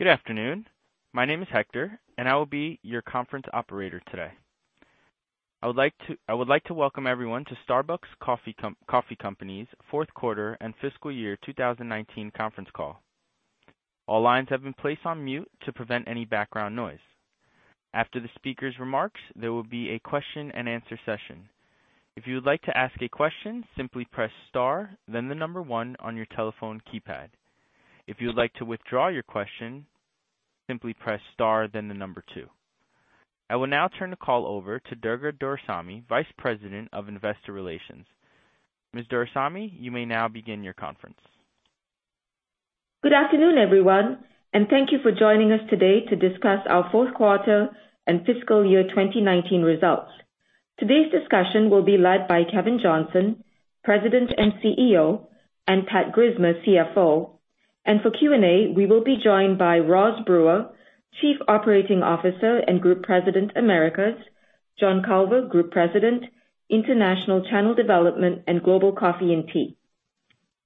Good afternoon. My name is Hector. I will be your conference operator today. I would like to welcome everyone to Starbucks Coffee Company's fourth quarter and fiscal year 2019 conference call. All lines have been placed on mute to prevent any background noise. After the speaker's remarks, there will be a question and answer session. If you would like to ask a question, simply press star, then the number 1 on your telephone keypad. If you would like to withdraw your question, simply press star, then the number 2. I will now turn the call over to Durga Doraisamy, Vice President of Investor Relations. Ms. Doraiswami, you may now begin your conference. Good afternoon, everyone. Thank you for joining us today to discuss our fourth quarter and fiscal year 2019 results. Today's discussion will be led by Kevin Johnson, President and CEO, and Patrick Grismer, CFO. For Q&A, we will be joined by Roz Brewer, Chief Operating Officer and Group President, Americas, John Culver, Group President, International Channel Development and Global Coffee & Tea.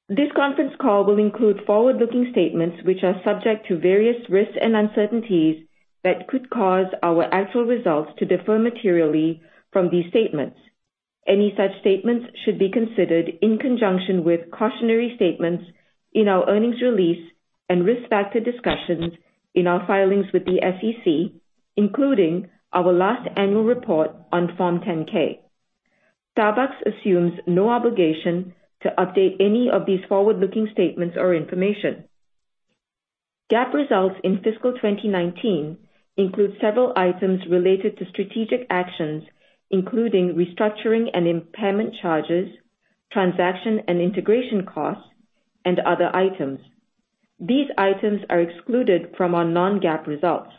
This conference call will include forward-looking statements which are subject to various risks and uncertainties that could cause our actual results to differ materially from these statements. Any such statements should be considered in conjunction with cautionary statements in our earnings release and risk factor discussions in our filings with the SEC, including our last annual report on Form 10-K. Starbucks assumes no obligation to update any of these forward-looking statements or information. GAAP results in fiscal 2019 include several items related to strategic actions, including restructuring and impairment charges, transaction and integration costs, and other items. These items are excluded from our non-GAAP results.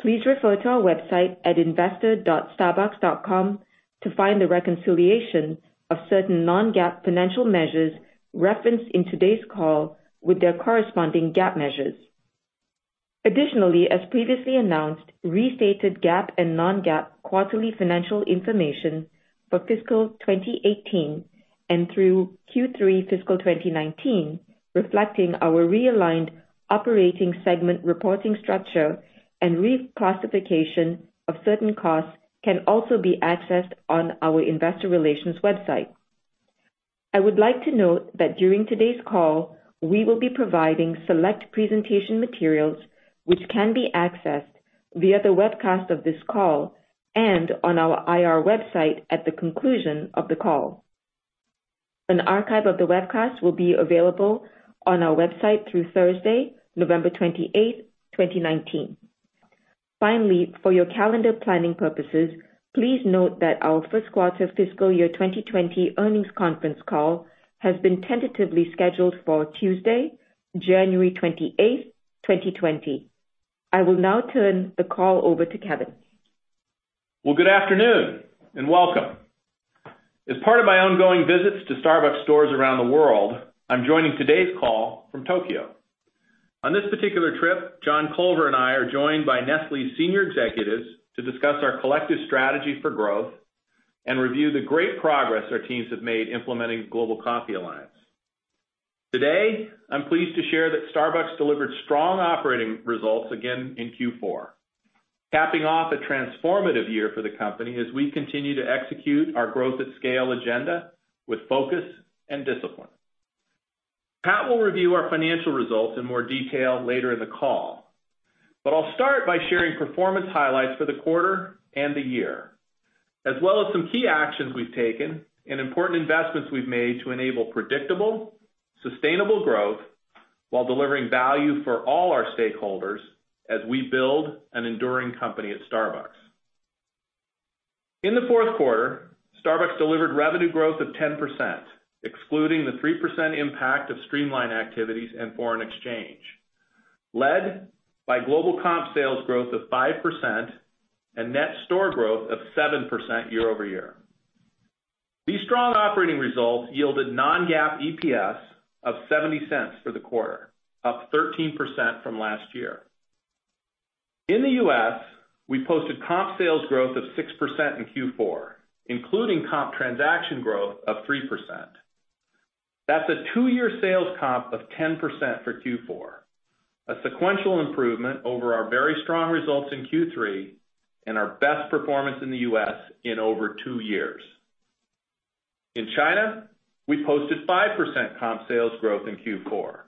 Please refer to our website at investor.starbucks.com to find the reconciliation of certain non-GAAP financial measures referenced in today's call with their corresponding GAAP measures. Additionally, as previously announced, restated GAAP and non-GAAP quarterly financial information for fiscal 2018 and through Q3 fiscal 2019, reflecting our realigned operating segment reporting structure and reclassification of certain costs can also be accessed on our investor relations website. I would like to note that during today's call, we will be providing select presentation materials which can be accessed via the webcast of this call and on our IR website at the conclusion of the call. An archive of the webcast will be available on our website through Thursday, November 28th, 2019. Finally, for your calendar planning purposes, please note that our first quarter fiscal year 2020 earnings conference call has been tentatively scheduled for Tuesday, January 28th, 2020. I will now turn the call over to Kevin. Well, good afternoon, welcome. As part of my ongoing visits to Starbucks stores around the world, I'm joining today's call from Tokyo. On this particular trip, John Culver and I are joined by Nestlé senior executives to discuss our collective strategy for growth and review the great progress our teams have made implementing Global Coffee Alliance. Today, I'm pleased to share that Starbucks delivered strong operating results again in Q4, capping off a transformative year for the company as we continue to execute our growth at scale agenda with focus and discipline. Pat will review our financial results in more detail later in the call, but I'll start by sharing performance highlights for the quarter and the year, as well as some key actions we've taken and important investments we've made to enable predictable, sustainable growth while delivering value for all our stakeholders as we build an enduring company at Starbucks. In the fourth quarter, Starbucks delivered revenue growth of 10%, excluding the 3% impact of streamline activities and foreign exchange, led by global comp sales growth of 5% and net store growth of 7% year-over-year. These strong operating results yielded non-GAAP EPS of $0.70 for the quarter, up 13% from last year. In the U.S., we posted comp sales growth of 6% in Q4, including comp transaction growth of 3%. That's a two-year sales comp of 10% for Q4, a sequential improvement over our very strong results in Q3 and our best performance in the U.S. in over two years. In China, we posted 5% comp sales growth in Q4,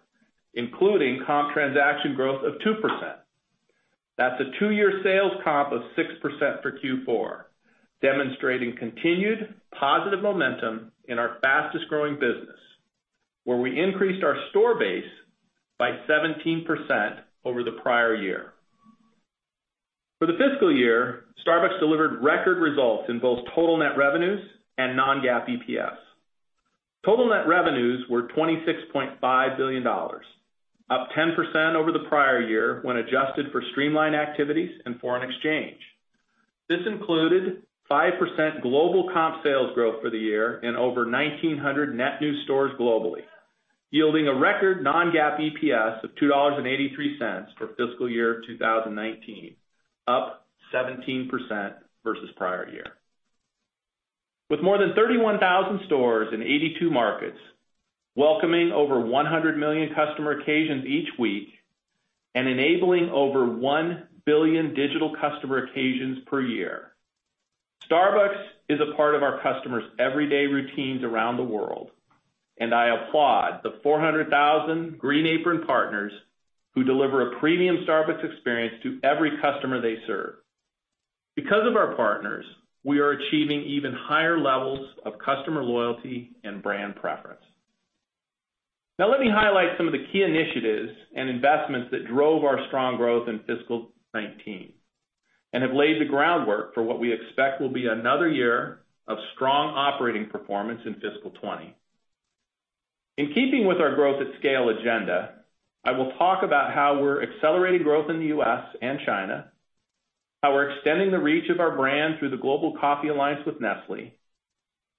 including comp transaction growth of 2%. That's a two-year sales comp of 6% for Q4, demonstrating continued positive momentum in our fastest-growing business, where we increased our store base by 17% over the prior year. For the fiscal year, Starbucks delivered record results in both total net revenues and non-GAAP EPS. Total net revenues were $26.5 billion, up 10% over the prior year when adjusted for streamline activities and foreign exchange. This included 5% global comp sales growth for the year in over 1,900 net new stores globally, yielding a record non-GAAP EPS of $2.83 for fiscal year 2019, up 17% versus prior year. With more than 31,000 stores in 82 markets, welcoming over 100 million customer occasions each week, and enabling over 1 billion digital customer occasions per year. Starbucks is a part of our customers' everyday routines around the world, and I applaud the 400,000 Green Apron partners who deliver a premium Starbucks experience to every customer they serve. Because of our partners, we are achieving even higher levels of customer loyalty and brand preference. Now let me highlight some of the key initiatives and investments that drove our strong growth in fiscal 2019, and have laid the groundwork for what we expect will be another year of strong operating performance in fiscal 2020. In keeping with our growth at scale agenda, I will talk about how we're accelerating growth in the U.S. and China, how we're extending the reach of our brand through the Global Coffee Alliance with Nestlé,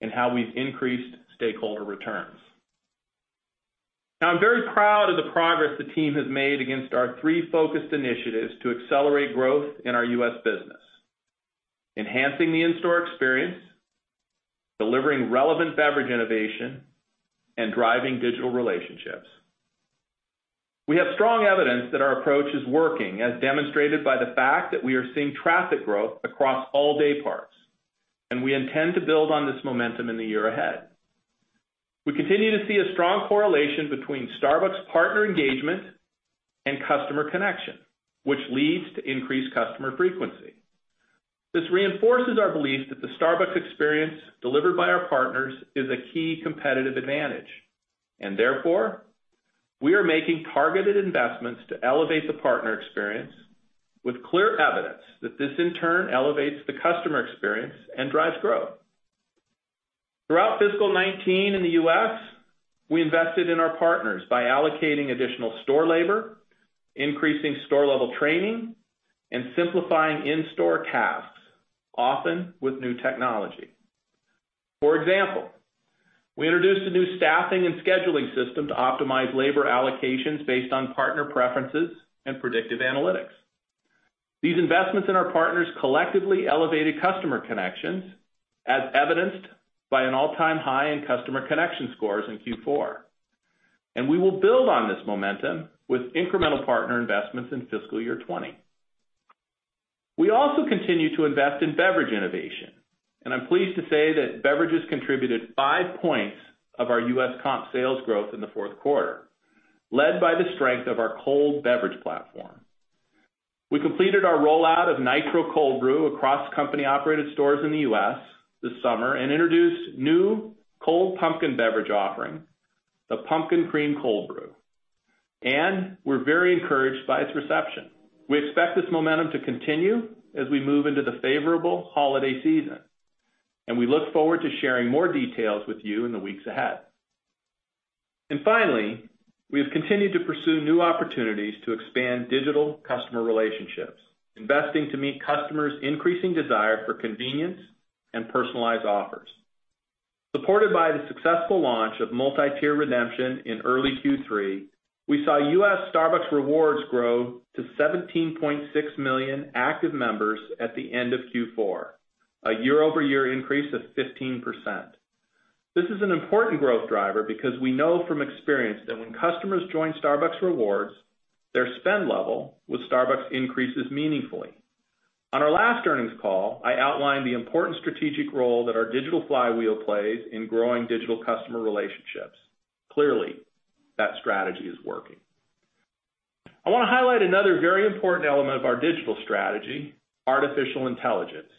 and how we've increased stakeholder returns. Now, I'm very proud of the progress the team has made against our three focused initiatives to accelerate growth in our U.S. business. Enhancing the in-store experience, delivering relevant beverage innovation, and driving digital relationships. We have strong evidence that our approach is working, as demonstrated by the fact that we are seeing traffic growth across all day parts, and we intend to build on this momentum in the year ahead. We continue to see a strong correlation between Starbucks partner engagement and customer connection, which leads to increased customer frequency. This reinforces our belief that the Starbucks experience delivered by our partners is a key competitive advantage, and therefore, we are making targeted investments to elevate the partner experience with clear evidence that this in turn elevates the customer experience and drives growth. Throughout fiscal 2019 in the U.S., we invested in our partners by allocating additional store labor, increasing store-level training, and simplifying in-store tasks, often with new technology. For example, we introduced a new staffing and scheduling system to optimize labor allocations based on partner preferences and predictive analytics. These investments in our partners collectively elevated customer connections, as evidenced by an all-time high in customer connection scores in Q4. We will build on this momentum with incremental partner investments in fiscal year 2020. We also continue to invest in beverage innovation. I'm pleased to say that beverages contributed five points of our U.S. comp sales growth in the fourth quarter, led by the strength of our cold beverage platform. We completed our rollout of Nitro Cold Brew across company-operated stores in the U.S. this summer and introduced a new cold pumpkin beverage offering, the Pumpkin Cream Cold Brew. We're very encouraged by its reception. We expect this momentum to continue as we move into the favorable holiday season. We look forward to sharing more details with you in the weeks ahead. Finally, we have continued to pursue new opportunities to expand digital customer relationships, investing to meet customers' increasing desire for convenience and personalized offers. Supported by the successful launch of multi-tier redemption in early Q3, we saw U.S. Starbucks Rewards grow to 17.6 million active members at the end of Q4. A year-over-year increase of 15%. This is an important growth driver because we know from experience that when customers join Starbucks Rewards, their spend level with Starbucks increases meaningfully. On our last earnings call, I outlined the important strategic role that our digital flywheel plays in growing digital customer relationships. Clearly, that strategy is working. I want to highlight another very important element of our digital strategy, artificial intelligence.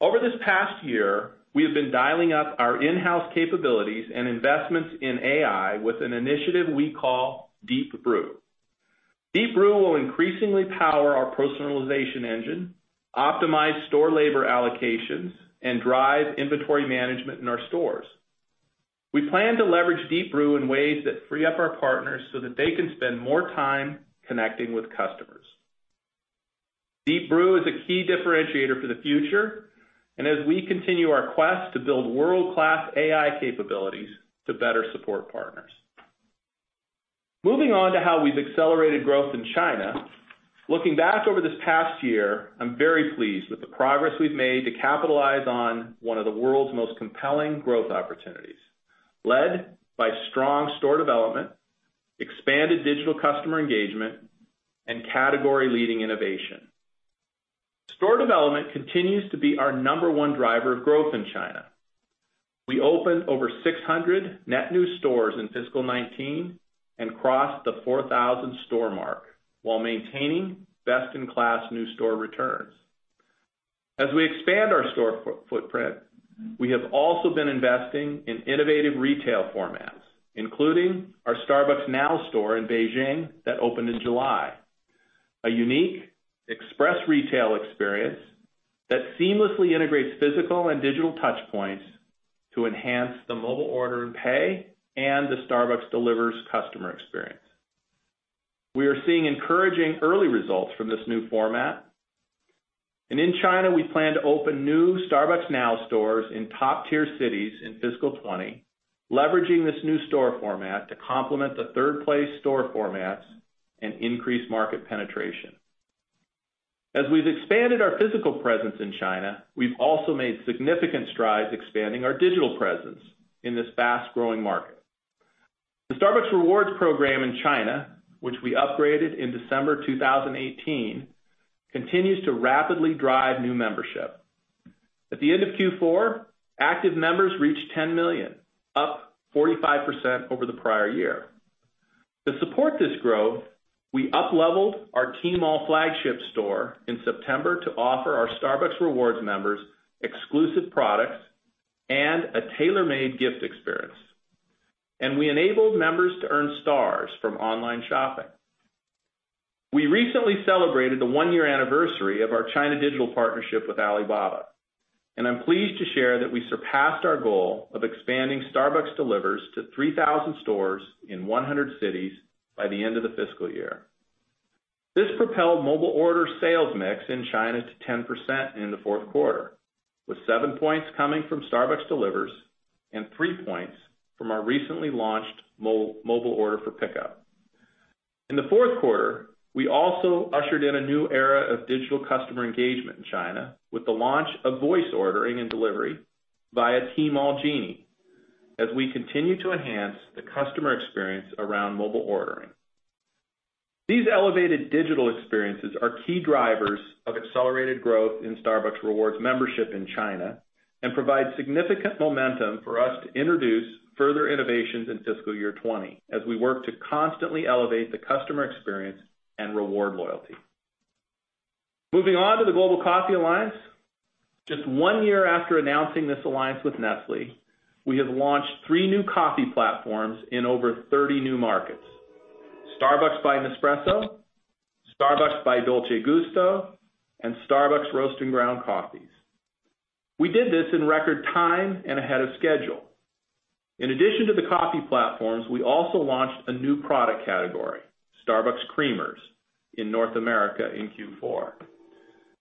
Over this past year, we have been dialing up our in-house capabilities and investments in AI with an initiative we call Deep Brew. Deep Brew will increasingly power our personalization engine, optimize store labor allocations, and drive inventory management in our stores. We plan to leverage Deep Brew in ways that free up our partners so that they can spend more time connecting with customers. Deep Brew is a key differentiator for the future, as we continue our quest to build world-class AI capabilities to better support partners. Moving on to how we've accelerated growth in China. Looking back over this past year, I'm very pleased with the progress we've made to capitalize on one of the world's most compelling growth opportunities. Led by strong store development, expanded digital customer engagement, and category-leading innovation. Store development continues to be our number 1 driver of growth in China. We opened over 600 net new stores in fiscal 2019 and crossed the 4,000-store mark while maintaining best-in-class new store returns. As we expand our store footprint, we have also been investing in innovative retail formats, including our Starbucks Now store in Beijing that opened in July. A unique express retail experience that seamlessly integrates physical and digital touchpoints to enhance the mobile order and pay and the Starbucks Delivers customer experience. We are seeing encouraging early results from this new format and in China, we plan to open new Starbucks Now stores in top-tier cities in fiscal 2020, leveraging this new store format to complement the third-place store formats and increase market penetration. As we've expanded our physical presence in China, we've also made significant strides expanding our digital presence in this fast-growing market. The Starbucks Rewards program in China, which we upgraded in December 2018, continues to rapidly drive new membership. At the end of Q4, active members reached 10 million, up 45% over the prior year. To support this growth, we upleveled our Tmall flagship store in September to offer our Starbucks Rewards members exclusive products and a tailor-made gift experience. We enabled members to earn stars from online shopping. We recently celebrated the one-year anniversary of our China digital partnership with Alibaba, and I'm pleased to share that we surpassed our goal of expanding Starbucks Delivers to 3,000 stores in 100 cities by the end of the fiscal year. This propelled mobile order sales mix in China to 10% in the fourth quarter, with 7 points coming from Starbucks Delivers and 3 points from our recently launched mobile order for pickup. In the fourth quarter, we also ushered in a new era of digital customer engagement in China with the launch of voice ordering and delivery via Tmall Genie, as we continue to enhance the customer experience around mobile ordering. These elevated digital experiences are key drivers of accelerated growth in Starbucks Rewards membership in China and provide significant momentum for us to introduce further innovations in fiscal year 2020 as we work to constantly elevate the customer experience and reward loyalty. Moving on to the Global Coffee Alliance. Just one year after announcing this alliance with Nestlé, we have launched three new coffee platforms in over 30 new markets. Starbucks by Nespresso, Starbucks by Dolce Gusto, and Starbucks roast and ground coffees. We did this in record time and ahead of schedule. In addition to the coffee platforms, we also launched a new product category, Starbucks Creamers, in North America in Q4.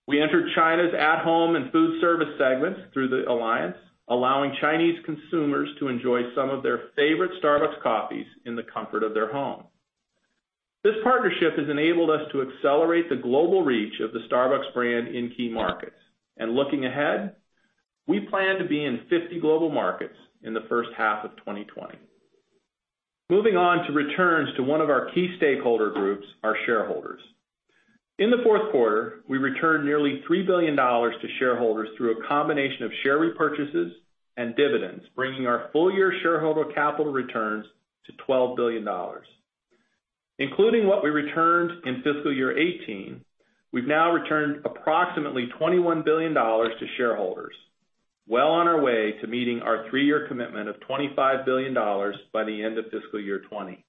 We entered China's at-home and food service segments through the alliance, allowing Chinese consumers to enjoy some of their favorite Starbucks coffees in the comfort of their home. This partnership has enabled us to accelerate the global reach of the Starbucks brand in key markets. Looking ahead, we plan to be in 50 global markets in the first half of 2020. Moving on to returns to one of our key stakeholder groups, our shareholders. In the fourth quarter, we returned nearly $3 billion to shareholders through a combination of share repurchases and dividends, bringing our full-year shareholder capital returns to $12 billion. Including what we returned in fiscal year 2018, we've now returned approximately $21 billion to shareholders, well on our way to meeting our three-year commitment of $25 billion by the end of fiscal year 2020.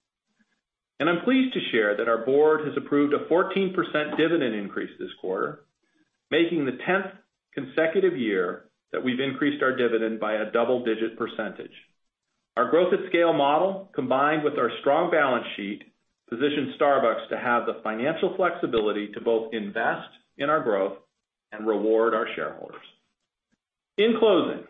I'm pleased to share that our board has approved a 14% dividend increase this quarter, making the 10th consecutive year that we've increased our dividend by a double-digit percentage. Our growth at scale model, combined with our strong balance sheet, positions Starbucks to have the financial flexibility to both invest in our growth and reward our shareholders. In closing,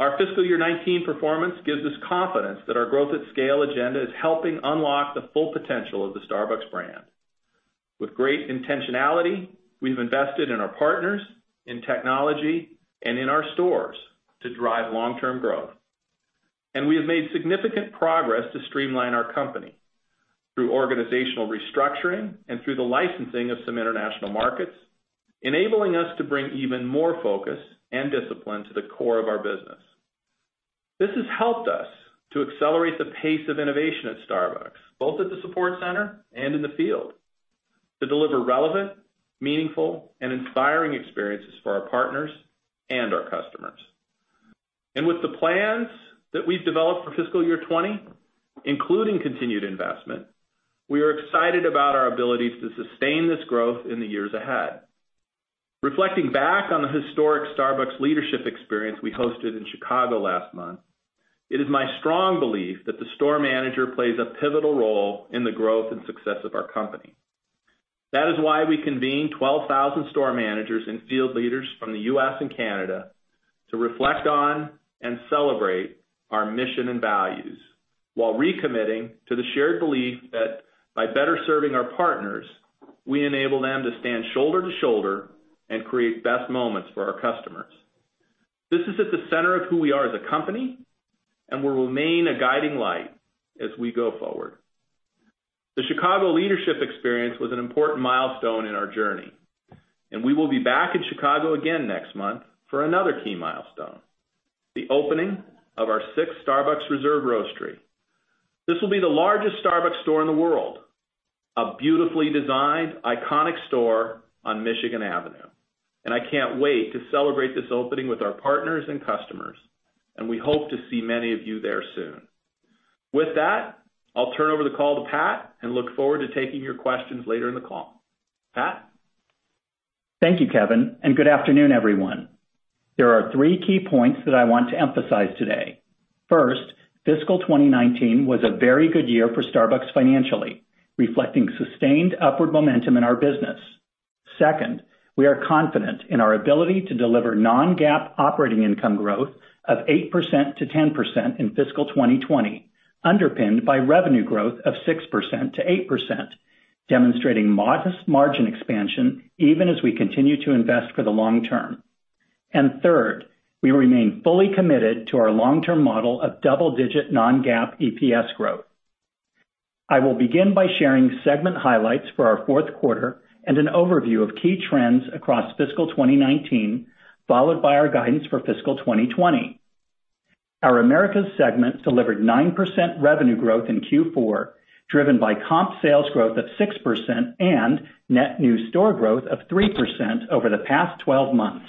our fiscal year 2019 performance gives us confidence that our growth at scale agenda is helping unlock the full potential of the Starbucks brand. With great intentionality, we've invested in our partners, in technology and in our stores to drive long-term growth. We have made significant progress to streamline our company through organizational restructuring and through the licensing of some international markets, enabling us to bring even more focus and discipline to the core of our business. This has helped us to accelerate the pace of innovation at Starbucks, both at the support center and in the field, to deliver relevant, meaningful, and inspiring experiences for our partners and our customers. With the plans that we've developed for fiscal year 2020, including continued investment, we are excited about our ability to sustain this growth in the years ahead. Reflecting back on the historic Starbucks leadership experience we hosted in Chicago last month, it is my strong belief that the store manager plays a pivotal role in the growth and success of our company. That is why we convened 12,000 store managers and field leaders from the U.S. and Canada to reflect on and celebrate our mission and values while recommitting to the shared belief that by better serving our partners, we enable them to stand shoulder to shoulder and create best moments for our customers. This is at the center of who we are as a company, and will remain a guiding light as we go forward. The Chicago leadership experience was an important milestone in our journey, and we will be back in Chicago again next month for another key milestone, the opening of our sixth Starbucks Reserve Roastery. This will be the largest Starbucks store in the world, a beautifully designed, iconic store on Michigan Avenue. I can't wait to celebrate this opening with our partners and customers, and we hope to see many of you there soon. With that, I'll turn over the call to Pat and look forward to taking your questions later in the call. Pat? Thank you, Kevin. Good afternoon, everyone. There are three key points that I want to emphasize today. First, fiscal 2019 was a very good year for Starbucks financially, reflecting sustained upward momentum in our business. Second, we are confident in our ability to deliver non-GAAP operating income growth of 8%-10% in fiscal 2020. Underpinned by revenue growth of 6%-8%, demonstrating modest margin expansion even as we continue to invest for the long term. Third, we remain fully committed to our long-term model of double-digit non-GAAP EPS growth. I will begin by sharing segment highlights for our fourth quarter and an overview of key trends across fiscal 2019, followed by our guidance for fiscal 2020. Our Americas segment delivered 9% revenue growth in Q4, driven by comp sales growth of 6% and net new store growth of 3% over the past 12 months.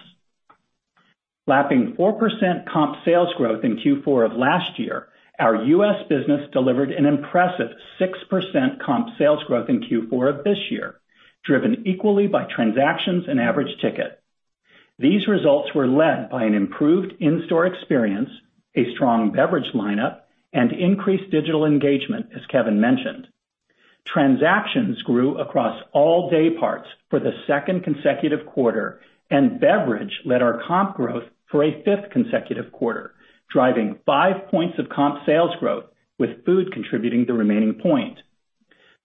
Lapping 4% comp sales growth in Q4 of last year, our U.S. business delivered an impressive 6% comp sales growth in Q4 of this year, driven equally by transactions and average ticket. These results were led by an improved in-store experience, a strong beverage lineup, and increased digital engagement, as Kevin mentioned. Transactions grew across all day parts for the second consecutive quarter, and beverage led our comp growth for a fifth consecutive quarter, driving five points of comp sales growth, with food contributing the remaining point.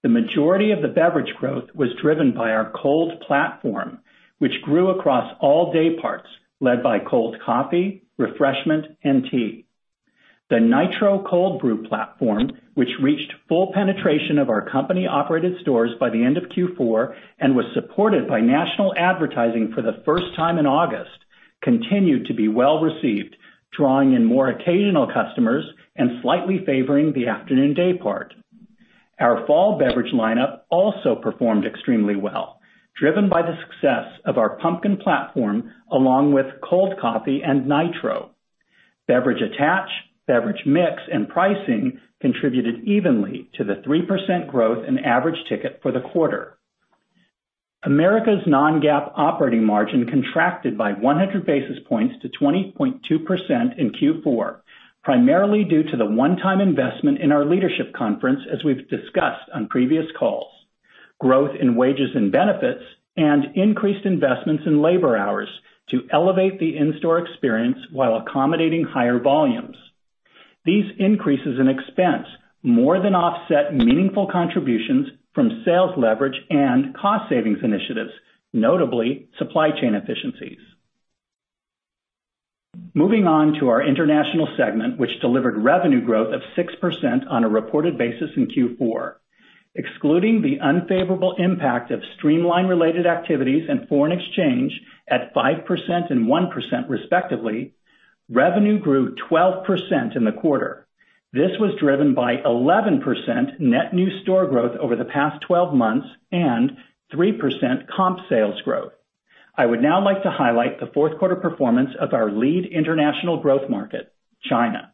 The majority of the beverage growth was driven by our cold platform, which grew across all day parts, led by cold coffee, refreshment, and tea. The Nitro Cold Brew platform, which reached full penetration of our company-operated stores by the end of Q4 and was supported by national advertising for the first time in August, continued to be well-received, drawing in more occasional customers and slightly favoring the afternoon day part. Our fall beverage lineup also performed extremely well, driven by the success of our pumpkin platform, along with cold coffee and Nitro. Beverage attach, beverage mix, and pricing contributed evenly to the 3% growth in average ticket for the quarter. Americas non-GAAP operating margin contracted by 100 basis points to 20.2% in Q4, primarily due to the one-time investment in our leadership conference, as we've discussed on previous calls, and growth in wages and benefits and increased investments in labor hours to elevate the in-store experience while accommodating higher volumes. These increases in expense more than offset meaningful contributions from sales leverage and cost savings initiatives, notably supply chain efficiencies. Moving on to our international segment, which delivered revenue growth of 6% on a reported basis in Q4. Excluding the unfavorable impact of streamline related activities and foreign exchange at 5% and 1% respectively, revenue grew 12% in the quarter. This was driven by 11% net new store growth over the past 12 months and 3% comp sales growth. I would now like to highlight the fourth quarter performance of our lead international growth market, China.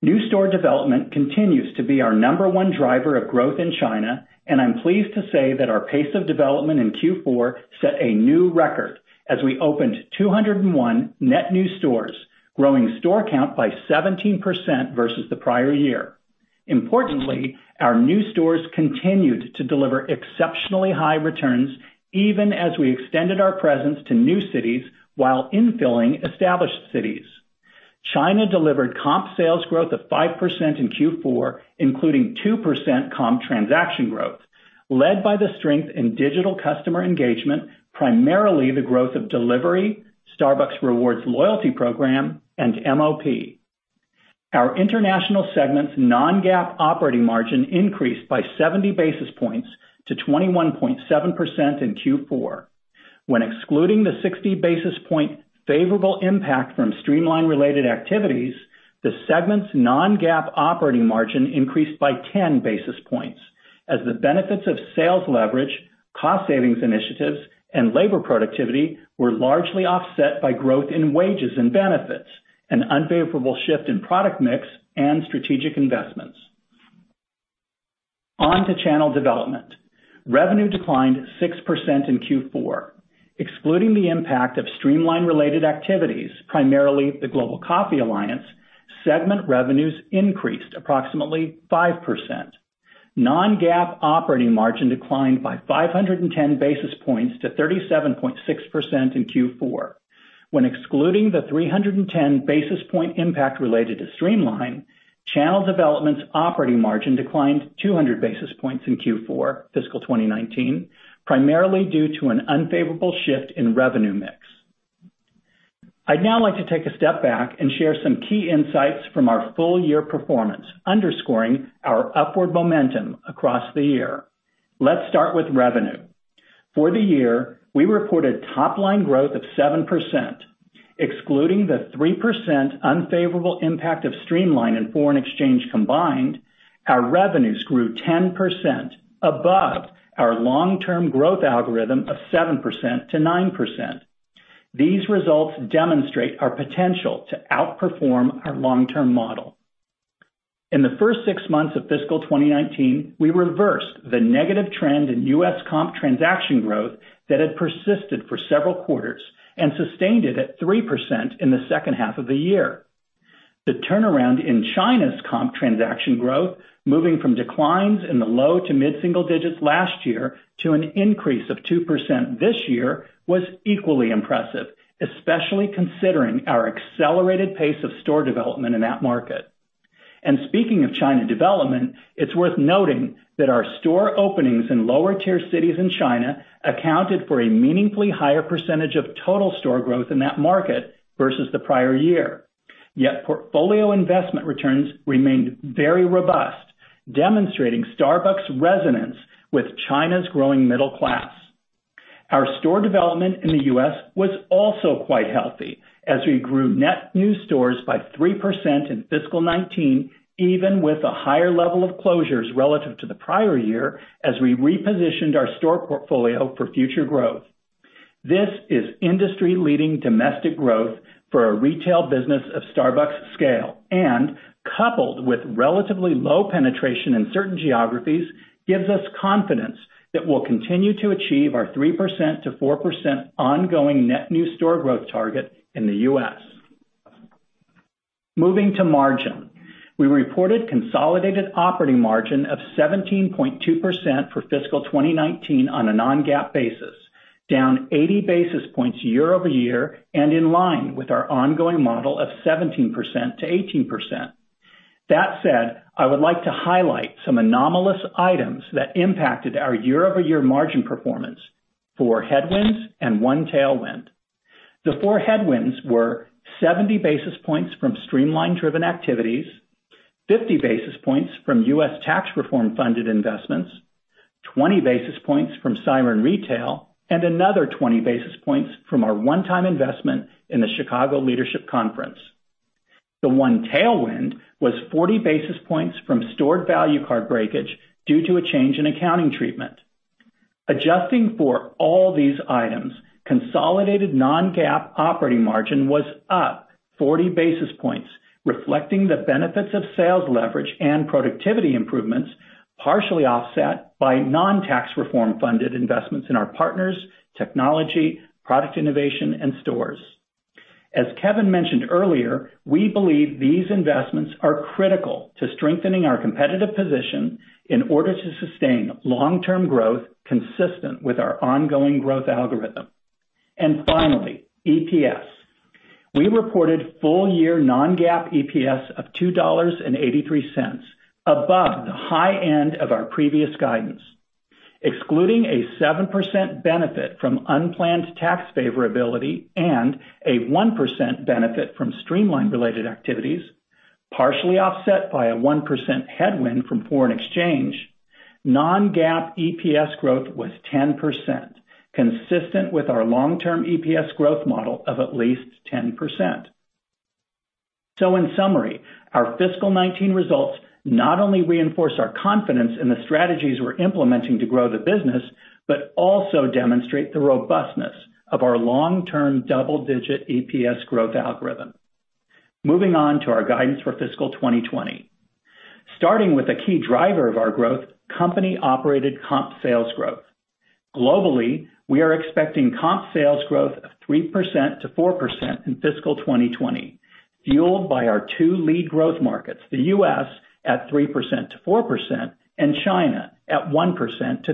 New store development continues to be our number 1 driver of growth in China, and I'm pleased to say that our pace of development in Q4 set a new record as we opened 201 net new stores, growing store count by 17% versus the prior year. Importantly, our new stores continued to deliver exceptionally high returns even as we extended our presence to new cities while infilling established cities. China delivered comp sales growth of 5% in Q4, including 2% comp transaction growth, led by the strength in digital customer engagement, primarily the growth of delivery, Starbucks Rewards loyalty program, and MOP. Our international segment's non-GAAP operating margin increased by 70 basis points to 21.7% in Q4. When excluding the 60 basis point favorable impact from streamline related activities, the segment's non-GAAP operating margin increased by 10 basis points as the benefits of sales leverage, cost savings initiatives, and labor productivity were largely offset by growth in wages and benefits, an unfavorable shift in product mix, and strategic investments. On to Channel Development. Revenue declined 6% in Q4. Excluding the impact of streamline related activities, primarily the Global Coffee Alliance, segment revenues increased approximately 5%. Non-GAAP operating margin declined by 510 basis points to 37.6% in Q4. When excluding the 310 basis point impact related to Siren Retail, channel development's operating margin declined 200 basis points in Q4 fiscal 2019, primarily due to an unfavorable shift in revenue mix. I'd now like to take a step back and share some key insights from our full year performance, underscoring our upward momentum across the year. Let's start with revenue. For the year, we reported top-line growth of 7%, excluding the 3% unfavorable impact of Siren Retail and foreign exchange combined, our revenues grew 10% above our long-term growth algorithm of 7%-9%. These results demonstrate our potential to outperform our long-term model. In the first six months of fiscal 2019, we reversed the negative trend in U.S. comp transaction growth that had persisted for several quarters and sustained it at 3% in the second half of the year. The turnaround in China's comp transaction growth, moving from declines in the low to mid-single digits last year to an increase of 2% this year, was equally impressive, especially considering our accelerated pace of store development in that market. Speaking of China development, it's worth noting that our store openings in lower tier cities in China accounted for a meaningfully higher percentage of total store growth in that market versus the prior year. Yet portfolio investment returns remained very robust, demonstrating Starbucks' resonance with China's growing middle class. Our store development in the U.S. was also quite healthy as we grew net new stores by 3% in fiscal 2019, even with a higher level of closures relative to the prior year as we repositioned our store portfolio for future growth. This is industry-leading domestic growth for a retail business of Starbucks' scale and coupled with relatively low penetration in certain geographies gives us confidence that we'll continue to achieve our 3%-4% ongoing net new store growth target in the U.S. Moving to margin. We reported consolidated operating margin of 17.2% for fiscal 2019 on a non-GAAP basis, down 80 basis points year-over-year and in line with our ongoing model of 17%-18%. That said, I would like to highlight some anomalous items that impacted our year-over-year margin performance. four headwinds and one tailwind. The four headwinds were 70 basis points from Siren Retail driven activities, 50 basis points from U.S. tax reform funded investments, 20 basis points from Siren Retail and another 20 basis points from our one-time investment in the Chicago Leadership Conference. The one tailwind was 40 basis points from stored value card breakage due to a change in accounting treatment. Adjusting for all these items, consolidated non-GAAP operating margin was up 40 basis points, reflecting the benefits of sales leverage and productivity improvements, partially offset by non-U.S. tax reform funded investments in our partners, technology, product innovation, and stores. As Kevin mentioned earlier, we believe these investments are critical to strengthening our competitive position in order to sustain long-term growth consistent with our ongoing growth algorithm. Finally, EPS. We reported full year non-GAAP EPS of $2.83 above the high end of our previous guidance. Excluding a 7% benefit from unplanned tax favorability and a 1% benefit from streamline-related activities, partially offset by a 1% headwind from foreign exchange, non-GAAP EPS growth was 10%, consistent with our long-term EPS growth model of at least 10%. In summary, our fiscal 2019 results not only reinforce our confidence in the strategies we're implementing to grow the business, but also demonstrate the robustness of our long-term double-digit EPS growth algorithm. Moving on to our guidance for fiscal 2020. Starting with a key driver of our growth, company operated comp sales growth. Globally, we are expecting comp sales growth of 3%-4% in fiscal 2020, fueled by our two lead growth markets, the U.S. at 3%-4% and China at 1%-3%.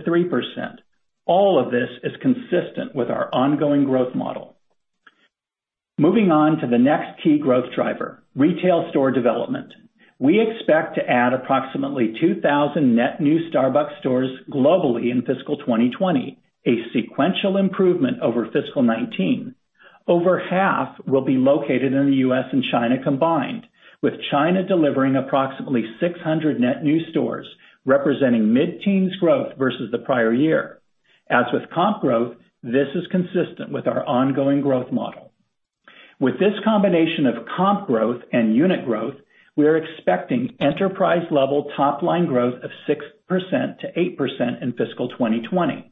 All of this is consistent with our ongoing growth model. Moving on to the next key growth driver, retail store development. We expect to add approximately 2,000 net new Starbucks stores globally in fiscal 2020, a sequential improvement over fiscal 2019. Over half will be located in the U.S. and China combined, with China delivering approximately 600 net new stores, representing mid-teens growth versus the prior year. As with comp growth, this is consistent with our ongoing growth model. With this combination of comp growth and unit growth, we are expecting enterprise-level top-line growth of 6%-8% in fiscal 2020.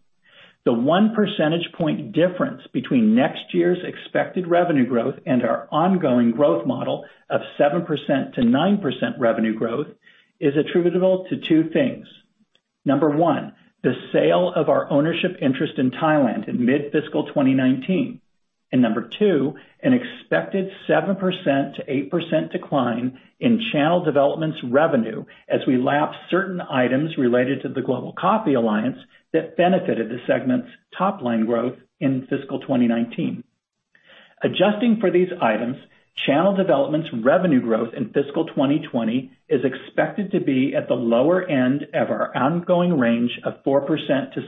The one percentage point difference between next year's expected revenue growth and our ongoing growth model of 7%-9% revenue growth is attributable to two things. Number one, the sale of our ownership interest in Thailand in mid-fiscal 2019. Number two, an expected 7%-8% decline in channel development's revenue as we lap certain items related to the Global Coffee Alliance that benefited the segment's top-line growth in fiscal 2019. Adjusting for these items, channel development's revenue growth in fiscal 2020 is expected to be at the lower end of our ongoing range of 4%-6%.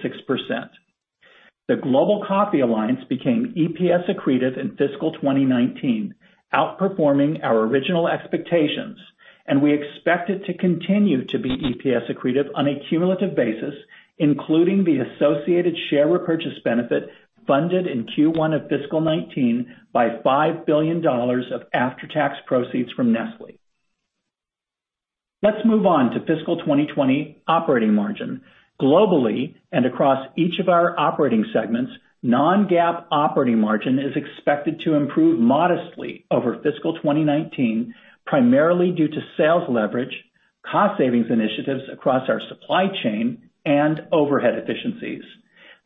The Global Coffee Alliance became EPS accretive in fiscal 2019, outperforming our original expectations, and we expect it to continue to be EPS accretive on a cumulative basis, including the associated share repurchase benefit funded in Q1 of fiscal 2019 by $5 billion of after-tax proceeds from Nestlé. Let's move on to fiscal 2020 operating margin. Globally and across each of our operating segments, non-GAAP operating margin is expected to improve modestly over fiscal 2019, primarily due to sales leverage, cost savings initiatives across our supply chain, and overhead efficiencies.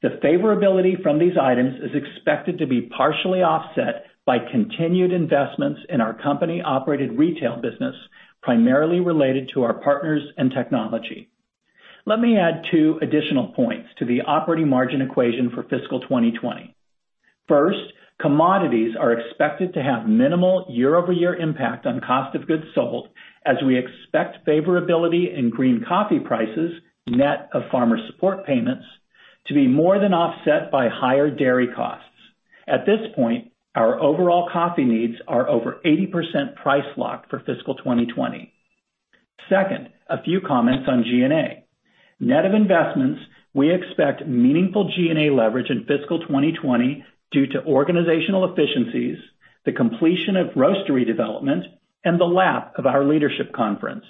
The favorability from these items is expected to be partially offset by continued investments in our company-operated retail business, primarily related to our partners and technology. Let me add two additional points to the operating margin equation for fiscal 2020. First, commodities are expected to have minimal year-over-year impact on cost of goods sold, as we expect favorability in green coffee prices, net of farmer support payments, to be more than offset by higher dairy costs. At this point, our overall coffee needs are over 80% price-locked for fiscal 2020. Second, a few comments on G&A. Net of investments, we expect meaningful G&A leverage in fiscal 2020 due to organizational efficiencies, the completion of roastery development, and the lap of our leadership conference.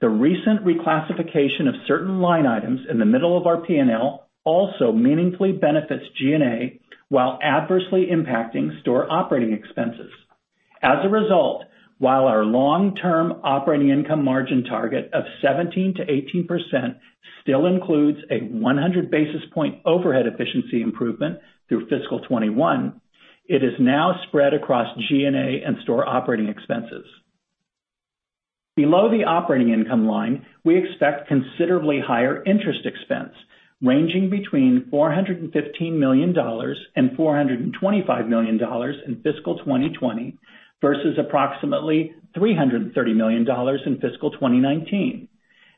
The recent reclassification of certain line items in the middle of our P&L also meaningfully benefits G&A while adversely impacting store operating expenses. As a result, while our long-term operating income margin target of 17%-18% still includes a 100-basis-point overhead efficiency improvement through fiscal 2021, it is now spread across G&A and store operating expenses. Below the operating income line, we expect considerably higher interest expense, ranging between $415 million and $425 million in fiscal 2020 versus approximately $330 million in fiscal 2019.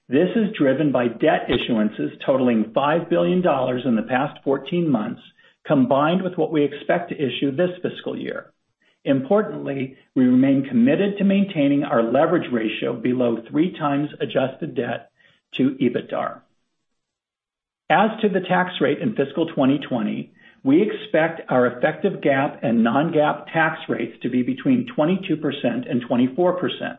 This is driven by debt issuances totaling $5 billion in the past 14 months, combined with what we expect to issue this fiscal year. Importantly, we remain committed to maintaining our leverage ratio below 3 times adjusted debt to EBITDA. As to the tax rate in fiscal 2020, we expect our effective GAAP and non-GAAP tax rates to be between 22% and 24%.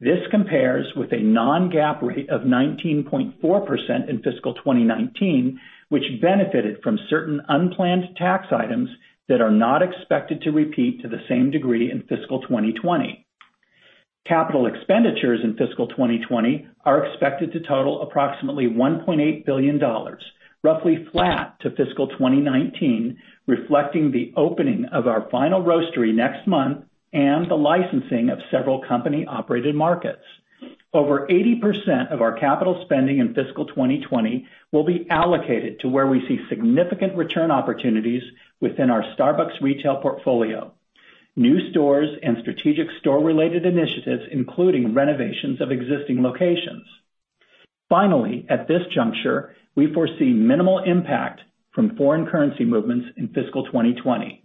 This compares with a non-GAAP rate of 19.4% in fiscal 2019, which benefited from certain unplanned tax items that are not expected to repeat to the same degree in fiscal 2020. Capital expenditures in fiscal 2020 are expected to total approximately $1.8 billion, roughly flat to fiscal 2019, reflecting the opening of our final roastery next month and the licensing of several company-operated markets. Over 80% of our capital spending in fiscal 2020 will be allocated to where we see significant return opportunities within our Starbucks retail portfolio, new stores, and strategic store-related initiatives, including renovations of existing locations. Finally, at this juncture, we foresee minimal impact from foreign currency movements in fiscal 2020.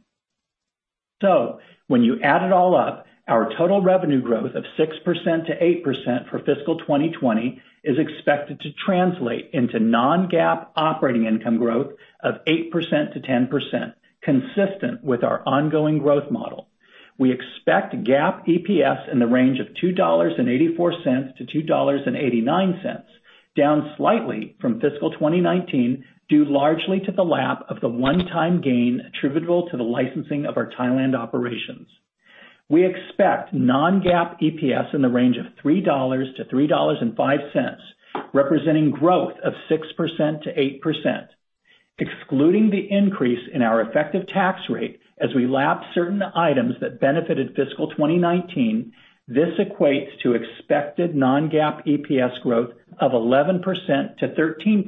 When you add it all up, our total revenue growth of 6% to 8% for fiscal 2020 is expected to translate into non-GAAP operating income growth of 8% to 10%, consistent with our ongoing growth model. We expect GAAP EPS in the range of $2.84 to $2.89, down slightly from fiscal 2019, due largely to the lap of the one-time gain attributable to the licensing of our Thailand operations. We expect non-GAAP EPS in the range of $3 to $3.05, representing growth of 6% to 8%. Excluding the increase in our effective tax rate as we lap certain items that benefited fiscal 2019, this equates to expected non-GAAP EPS growth of 11% to 13%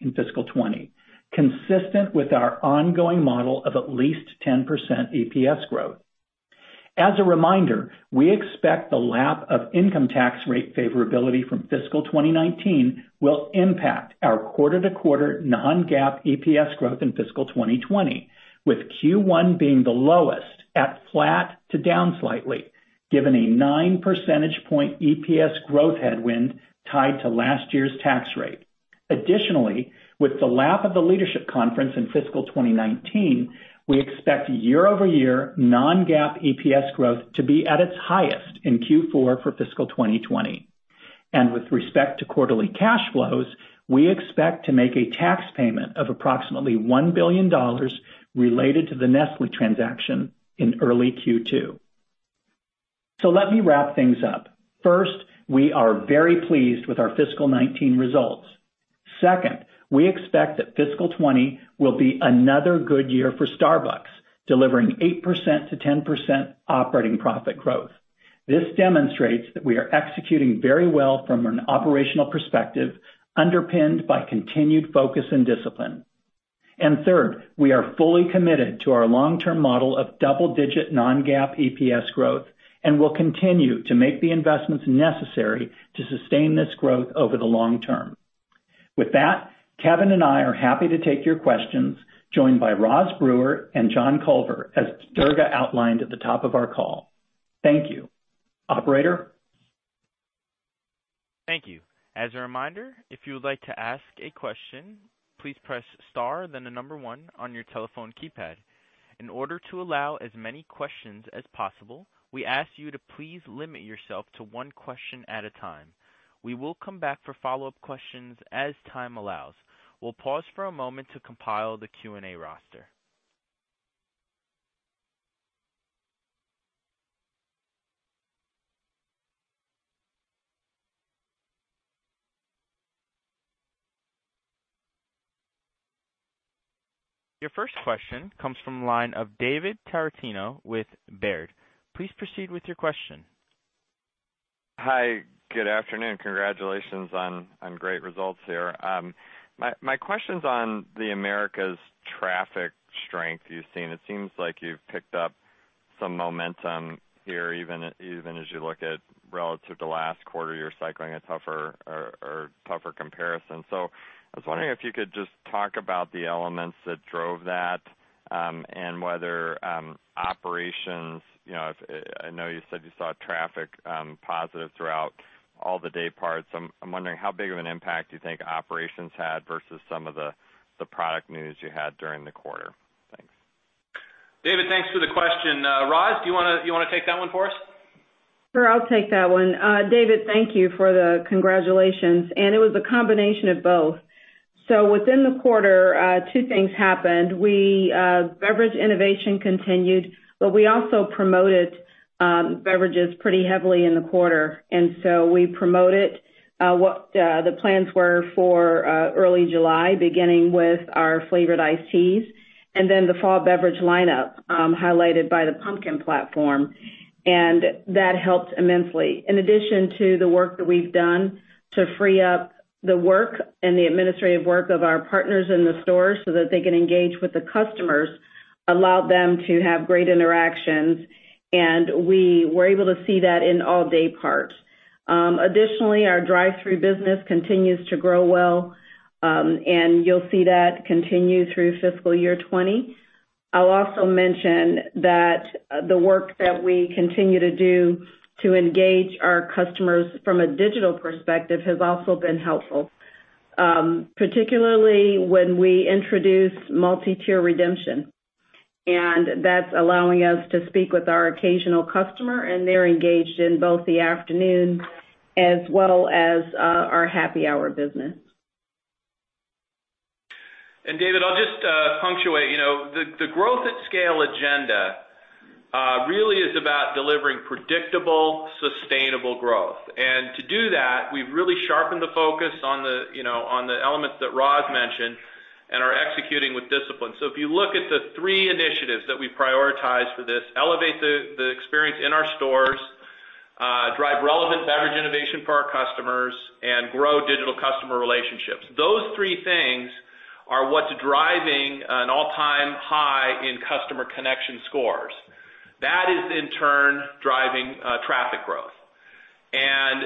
in fiscal 2020, consistent with our ongoing model of at least 10% EPS growth. As a reminder, we expect the lap of income tax rate favorability from fiscal 2019 will impact our quarter-to-quarter non-GAAP EPS growth in fiscal 2020, with Q1 being the lowest at flat to down slightly, given a nine-percentage-point EPS growth headwind tied to last year's tax rate. Additionally, with the lap of the leadership conference in fiscal 2019, we expect year-over-year non-GAAP EPS growth to be at its highest in Q4 for fiscal 2020. With respect to quarterly cash flows, we expect to make a tax payment of approximately $1 billion related to the Nestlé transaction in early Q2. Let me wrap things up. First, we are very pleased with our fiscal 2019 results. Second, we expect that fiscal 2020 will be another good year for Starbucks, delivering 8%-10% operating profit growth. This demonstrates that we are executing very well from an operational perspective, underpinned by continued focus and discipline. Third, we are fully committed to our long-term model of double-digit non-GAAP EPS growth and will continue to make the investments necessary to sustain this growth over the long term. With that, Kevin and I are happy to take your questions, joined by Roz Brewer and John Culver, as Durga outlined at the top of our call. Thank you. Operator? Thank you. As a reminder, if you would like to ask a question, please press star then the number 1 on your telephone keypad. In order to allow as many questions as possible, we ask you to please limit yourself to one question at a time. We will come back for follow-up questions as time allows. We'll pause for a moment to compile the Q&A roster. Your first question comes from the line of David Tarantino with Baird. Please proceed with your question. Hi, good afternoon. Congratulations on great results here. My question's on the Americas traffic strength you've seen. It seems like you've picked up some momentum here, even as you look at relative to last quarter, you're cycling a tougher comparison. I was wondering if you could just talk about the elements that drove that, and whether operations, I know you said you saw traffic positive throughout all the day parts. I'm wondering how big of an impact you think operations had versus some of the product news you had during the quarter. Thanks. David, thanks for the question. Roz, do you want to take that one for us? Sure, I'll take that one. David, thank you for the congratulations. It was a combination of both. Within the quarter, two things happened. Beverage innovation continued, but we also promoted beverages pretty heavily in the quarter. We promoted what the plans were for early July, beginning with our flavored iced teas, and then the fall beverage lineup, highlighted by the pumpkin platform. That helped immensely. In addition to the work that we've done to free up the work and the administrative work of our partners in the store so that they can engage with the customers, allowed them to have great interactions, and we were able to see that in all dayparts. Additionally, our drive-thru business continues to grow well. You'll see that continue through fiscal year 2020. I'll also mention that the work that we continue to do to engage our customers from a digital perspective has also been helpful. Particularly when we introduced multi-tier redemption. That's allowing us to speak with our occasional customer, and they're engaged in both the afternoon as well as our happy hour business. David, I'll just punctuate, the growth at scale agenda really is about delivering predictable, sustainable growth. To do that, we've really sharpened the focus on the elements that Roz mentioned and are executing with discipline. If you look at the three initiatives that we prioritize for this, elevate the experience in our stores, drive relevant beverage innovation for our customers, and grow digital customer relationships. Those three things are what's driving an all-time high in customer connection scores. That is in turn driving traffic growth.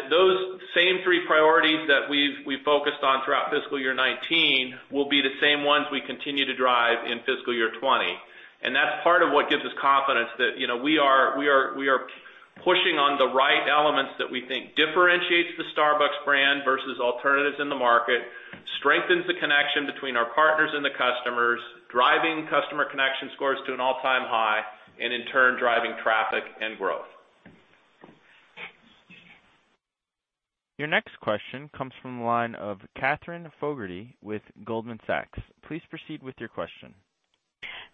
Those same three priorities that we focused on throughout fiscal year 2019 will be the same ones we continue to drive in fiscal year 2020. That's part of what gives us confidence that we are pushing on the right elements that we think differentiates the Starbucks brand versus alternatives in the market, strengthens the connection between our partners and the customers, driving customer connection scores to an all-time high, and in turn, driving traffic and growth. Your next question comes from the line of Katherine Fogertey with Goldman Sachs. Please proceed with your question.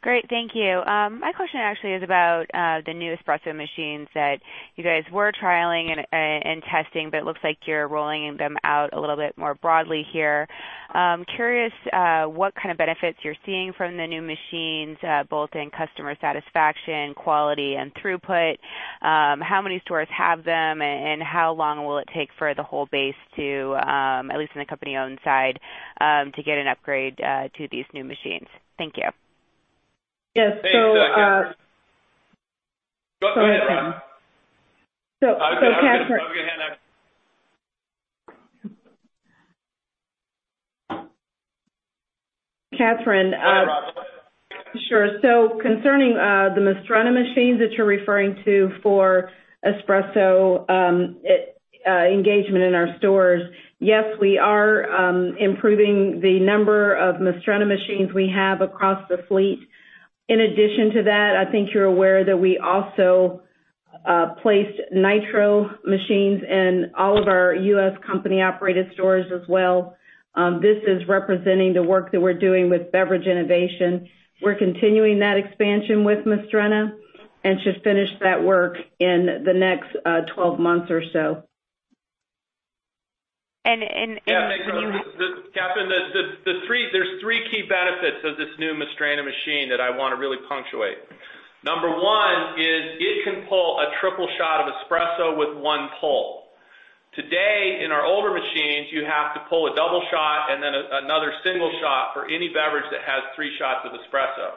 Great. Thank you. My question actually is about the new espresso machines that you guys were trialing and testing, but it looks like you're rolling them out a little bit more broadly here. I'm curious what kind of benefits you're seeing from the new machines, both in customer satisfaction, quality, and throughput. How many stores have them, and how long will it take for the whole base to, at least on the company-owned side, to get an upgrade to these new machines? Thank you. Yes. Hey. Go ahead, Roz. I was going to hand off- Katherine- Go ahead, Roz. Go ahead. Sure. Concerning the Mastrena machines that you're referring to for espresso engagement in our stores, yes, we are improving the number of Mastrena machines we have across the fleet. In addition to that, I think you're aware that we also placed Nitro machines in all of our U.S. company-operated stores as well. This is representing the work that we're doing with beverage innovation. We're continuing that expansion with Mastrena and should finish that work in the next 12 months or so. And when you- Katherine, there's three key benefits of this new Mastrena machine that I want to really punctuate. Number one is it can pull a triple shot of espresso with one pull. Today, in our older machines, you have to pull a double shot and then another single shot for any beverage that has three shots of espresso.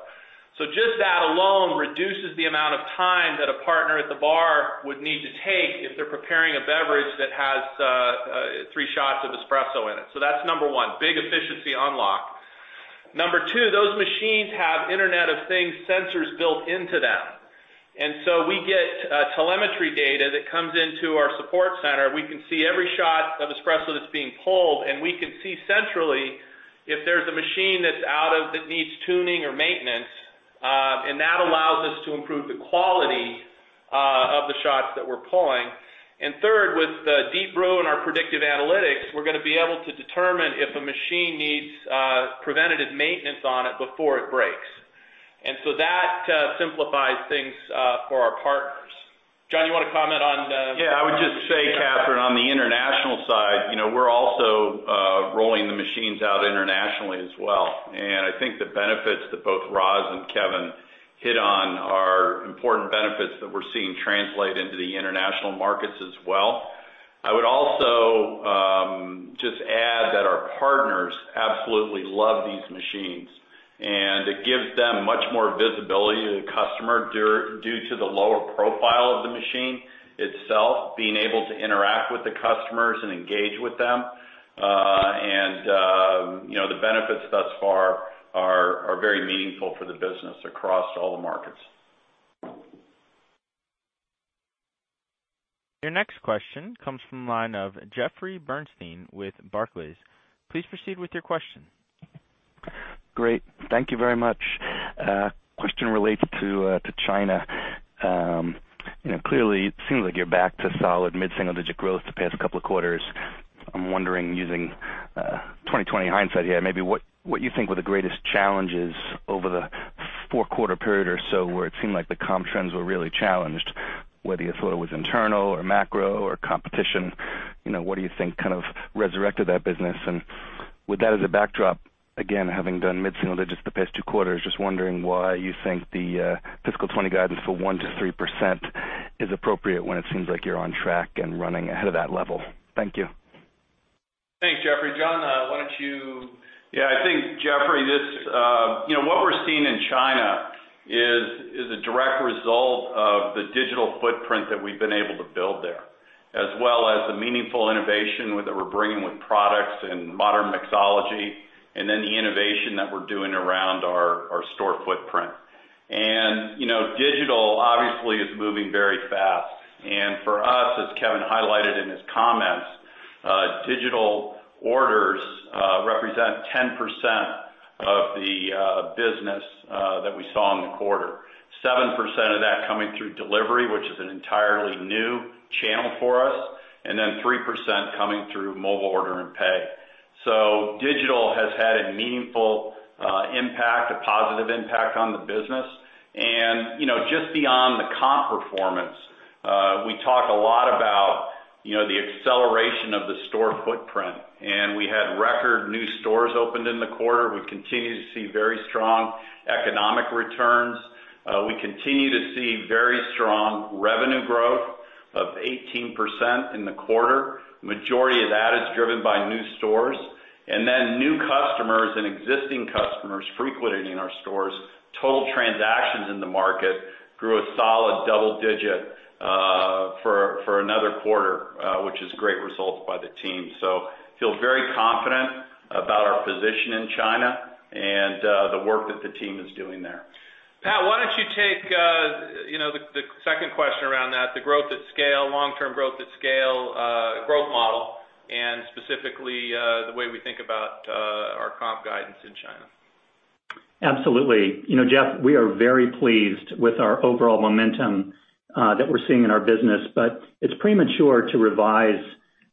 Just that alone reduces the amount of time that a partner at the bar would need to take if they're preparing a beverage that has three shots of espresso in it. That's number one, big efficiency unlock. Number two, those machines have Internet of Things sensors built into them, and so we get telemetry data that comes into our support center. We can see every shot of espresso that's being pulled, and we can see centrally if there's a machine that needs tuning or maintenance. That allows us to improve the quality of the shots that we're pulling. Third, with Deep Brew and our predictive analytics, we're going to be able to determine if a machine needs preventative maintenance on it before it breaks. That simplifies things for our partners. John, you want to comment on the? Yeah, I would just say, Katherine. I think the benefits that both Roz and Kevin hit on are important benefits that we're seeing translate into the international markets as well. I would also just add that our partners absolutely love these machines, and it gives them much more visibility to the customer due to the lower profile of the machine itself, being able to interact with the customers and engage with them. The benefits thus far are very meaningful for the business across all the markets. Your next question comes from the line of Jeffrey Bernstein with Barclays. Please proceed with your question. Great. Thank you very much. Question relates to China. Clearly, it seems like you're back to solid mid-single-digit growth the past couple of quarters. I'm wondering, using 2020 hindsight here, maybe what you think were the greatest challenges over the four-quarter period or so where it seemed like the comp trends were really challenged, whether you thought it was internal or macro or competition, what do you think kind of resurrected that business? With that as a backdrop, again, having done mid-single-digits the past two quarters, just wondering why you think the fiscal 2020 guidance for 1%-3% is appropriate, when it seems like you're on track and running ahead of that level. Thank you. Thanks, Jeffrey. I think, Jeffrey, what we're seeing in China is a direct result of the digital footprint that we've been able to build there, as well as the meaningful innovation that we're bringing with products and modern mixology, the innovation that we're doing around our store footprint. Digital, obviously, is moving very fast. For us, as Kevin highlighted in his comments, digital orders represent 10% of the business that we saw in the quarter. 7% of that coming through delivery, which is an entirely new channel for us, 3% coming through mobile order and pay. Digital has had a meaningful impact, a positive impact on the business. Just beyond the comp performance, we talk a lot about the acceleration of the store footprint. We had record new stores opened in the quarter. We continue to see very strong economic returns. We continue to see very strong revenue growth of 18% in the quarter. Majority of that is driven by new stores. New customers and existing customers frequenting our stores, total transactions in the market grew a solid double-digit for another quarter, which is great results by the team. Feel very confident about our position in China and the work that the team is doing there. Pat, why don't you take the second question around that, the growth at scale, long-term growth at scale, growth model, and specifically, the way we think about our comp guidance in China. Absolutely. Jeff, we are very pleased with our overall momentum that we're seeing in our business. It's premature to revise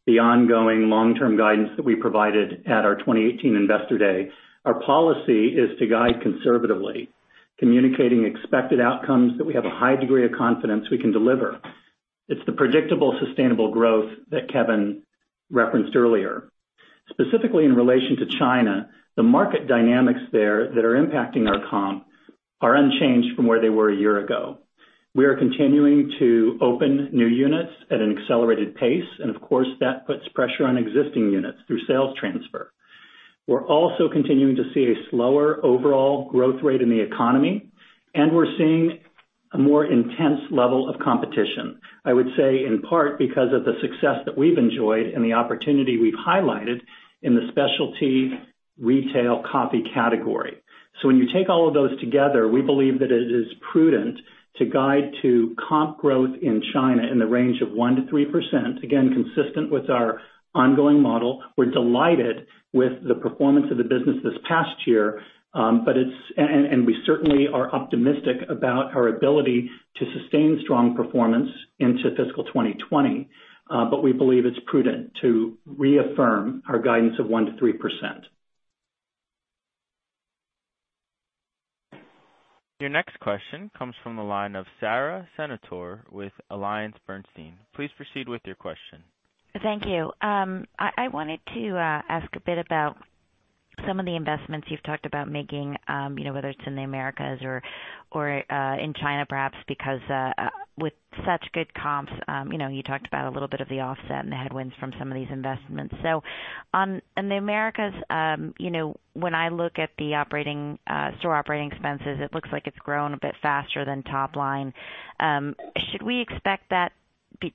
the ongoing long-term guidance that we provided at our 2018 Investor Day. Our policy is to guide conservatively, communicating expected outcomes that we have a high degree of confidence we can deliver. It's the predictable, sustainable growth that Kevin referenced earlier. Specifically in relation to China, the market dynamics there that are impacting our comp are unchanged from where they were one year ago. We are continuing to open new units at an accelerated pace. Of course, that puts pressure on existing units through sales transfer. We're also continuing to see a slower overall growth rate in the economy, and we're seeing a more intense level of competition, I would say, in part because of the success that we've enjoyed and the opportunity we've highlighted in the specialty retail coffee category. When you take all of those together, we believe that it is prudent to guide to comp growth in China in the range of 1%-3%, again, consistent with our ongoing model. We're delighted with the performance of the business this past year, and we certainly are optimistic about our ability to sustain strong performance into fiscal 2020. We believe it's prudent to reaffirm our guidance of 1%-3%. Your next question comes from the line of Sara Senatore with AllianceBernstein. Please proceed with your question. Thank you. I wanted to ask a bit about some of the investments you've talked about making, whether it's in the Americas or in China, perhaps because, with such good comps, you talked about a little bit of the offset and the headwinds from some of these investments. In the Americas, when I look at the store operating expenses, it looks like it's grown a bit faster than top line. Should we expect that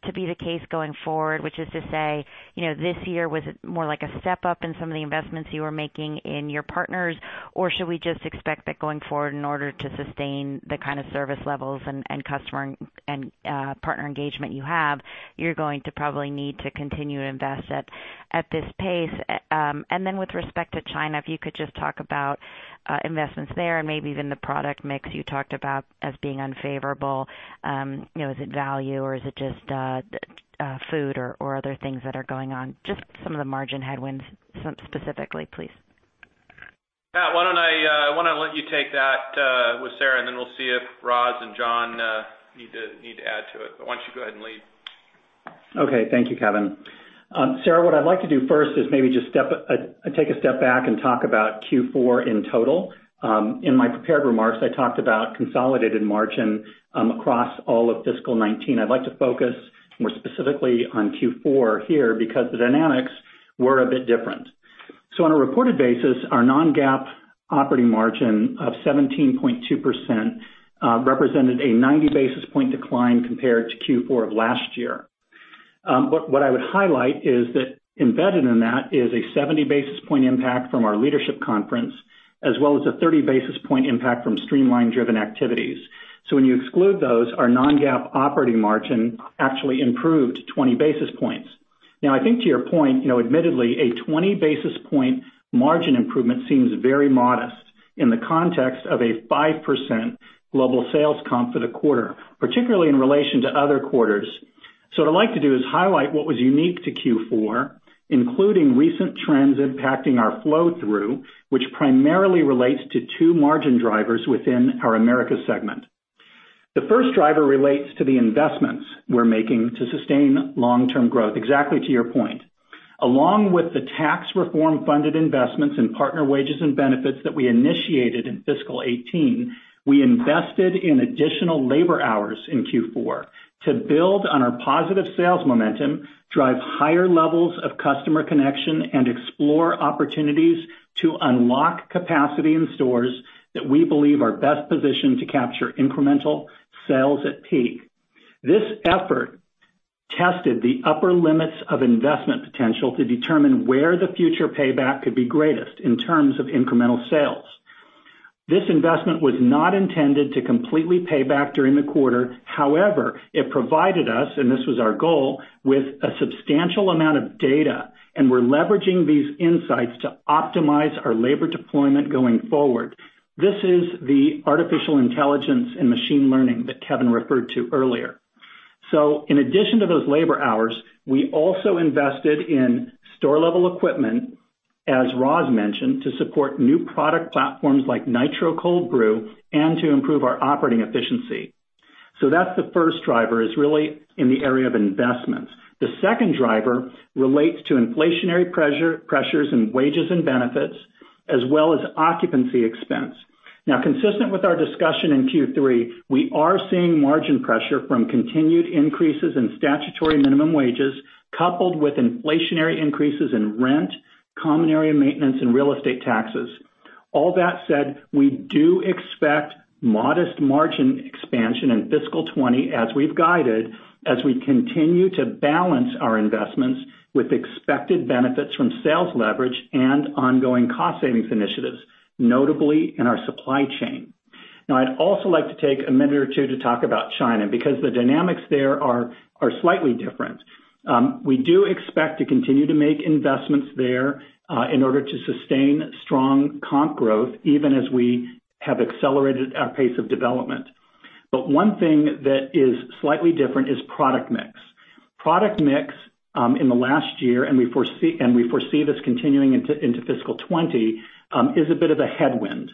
to be the case going forward, which is to say, this year was more like a step up in some of the investments you were making in your Partners, or should we just expect that going forward, in order to sustain the kind of service levels and customer and Partner engagement you have, you're going to probably need to continue to invest at this pace? With respect to China, if you could just talk about investments there and maybe even the product mix you talked about as being unfavorable? Is it value or is it just food or other things that are going on? Just some of the margin headwinds specifically, please? Pat, why don't I. That, with Sara, and then we'll see if Roz and John need to add to it. Why don't you go ahead and lead? Okay. Thank you, Kevin. Sara, what I'd like to do first is maybe just take a step back and talk about Q4 in total. In my prepared remarks, I talked about consolidated margin, across all of FY 2019. I'd like to focus more specifically on Q4 here because the dynamics were a bit different. On a reported basis, our non-GAAP operating margin of 17.2% represented a 90 basis points decline compared to Q4 of last year. What I would highlight is that embedded in that is a 70 basis points impact from our leadership conference, as well as a 30 basis points impact from streamline-driven activities. When you exclude those, our non-GAAP operating margin actually improved 20 basis points. I think to your point, admittedly, a 20 basis point margin improvement seems very modest in the context of a 5% global sales comp for the quarter, particularly in relation to other quarters. What I'd like to do is highlight what was unique to Q4, including recent trends impacting our flow-through, which primarily relates to two margin drivers within our Americas segment. The first driver relates to the investments we're making to sustain long-term growth, exactly to your point. Along with the tax reform funded investments in partner wages and benefits that we initiated in fiscal 2018, we invested in additional labor hours in Q4 to build on our positive sales momentum, drive higher levels of customer connection, and explore opportunities to unlock capacity in stores that we believe are best positioned to capture incremental sales at peak. This effort tested the upper limits of investment potential to determine where the future payback could be greatest in terms of incremental sales. This investment was not intended to completely pay back during the quarter. It provided us, and this was our goal, with a substantial amount of data, we're leveraging these insights to optimize our labor deployment going forward. This is the artificial intelligence and machine learning that Kevin referred to earlier. In addition to those labor hours, we also invested in store-level equipment, as Roz mentioned, to support new product platforms like Nitro Cold Brew and to improve our operating efficiency. That's the first driver, is really in the area of investments. The second driver relates to inflationary pressures in wages and benefits, as well as occupancy expense. Consistent with our discussion in Q3, we are seeing margin pressure from continued increases in statutory minimum wages, coupled with inflationary increases in rent, common area maintenance, and real estate taxes. All that said, we do expect modest margin expansion in fiscal 2020, as we've guided, as we continue to balance our investments with expected benefits from sales leverage and ongoing cost savings initiatives, notably in our supply chain. I'd also like to take a minute or two to talk about China, because the dynamics there are slightly different. We do expect to continue to make investments there, in order to sustain strong comp growth, even as we have accelerated our pace of development. One thing that is slightly different is product mix. Product mix, in the last year, and we foresee this continuing into fiscal 2020, is a bit of a headwind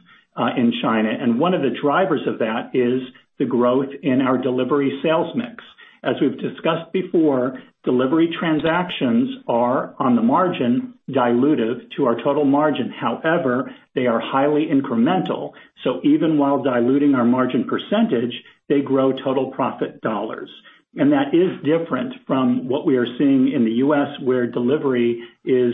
in China. One of the drivers of that is the growth in our delivery sales mix. As we've discussed before, delivery transactions are, on the margin, dilutive to our total margin. However, they are highly incremental, so even while diluting our margin percentage, they grow total profit dollars. That is different from what we are seeing in the U.S., where delivery is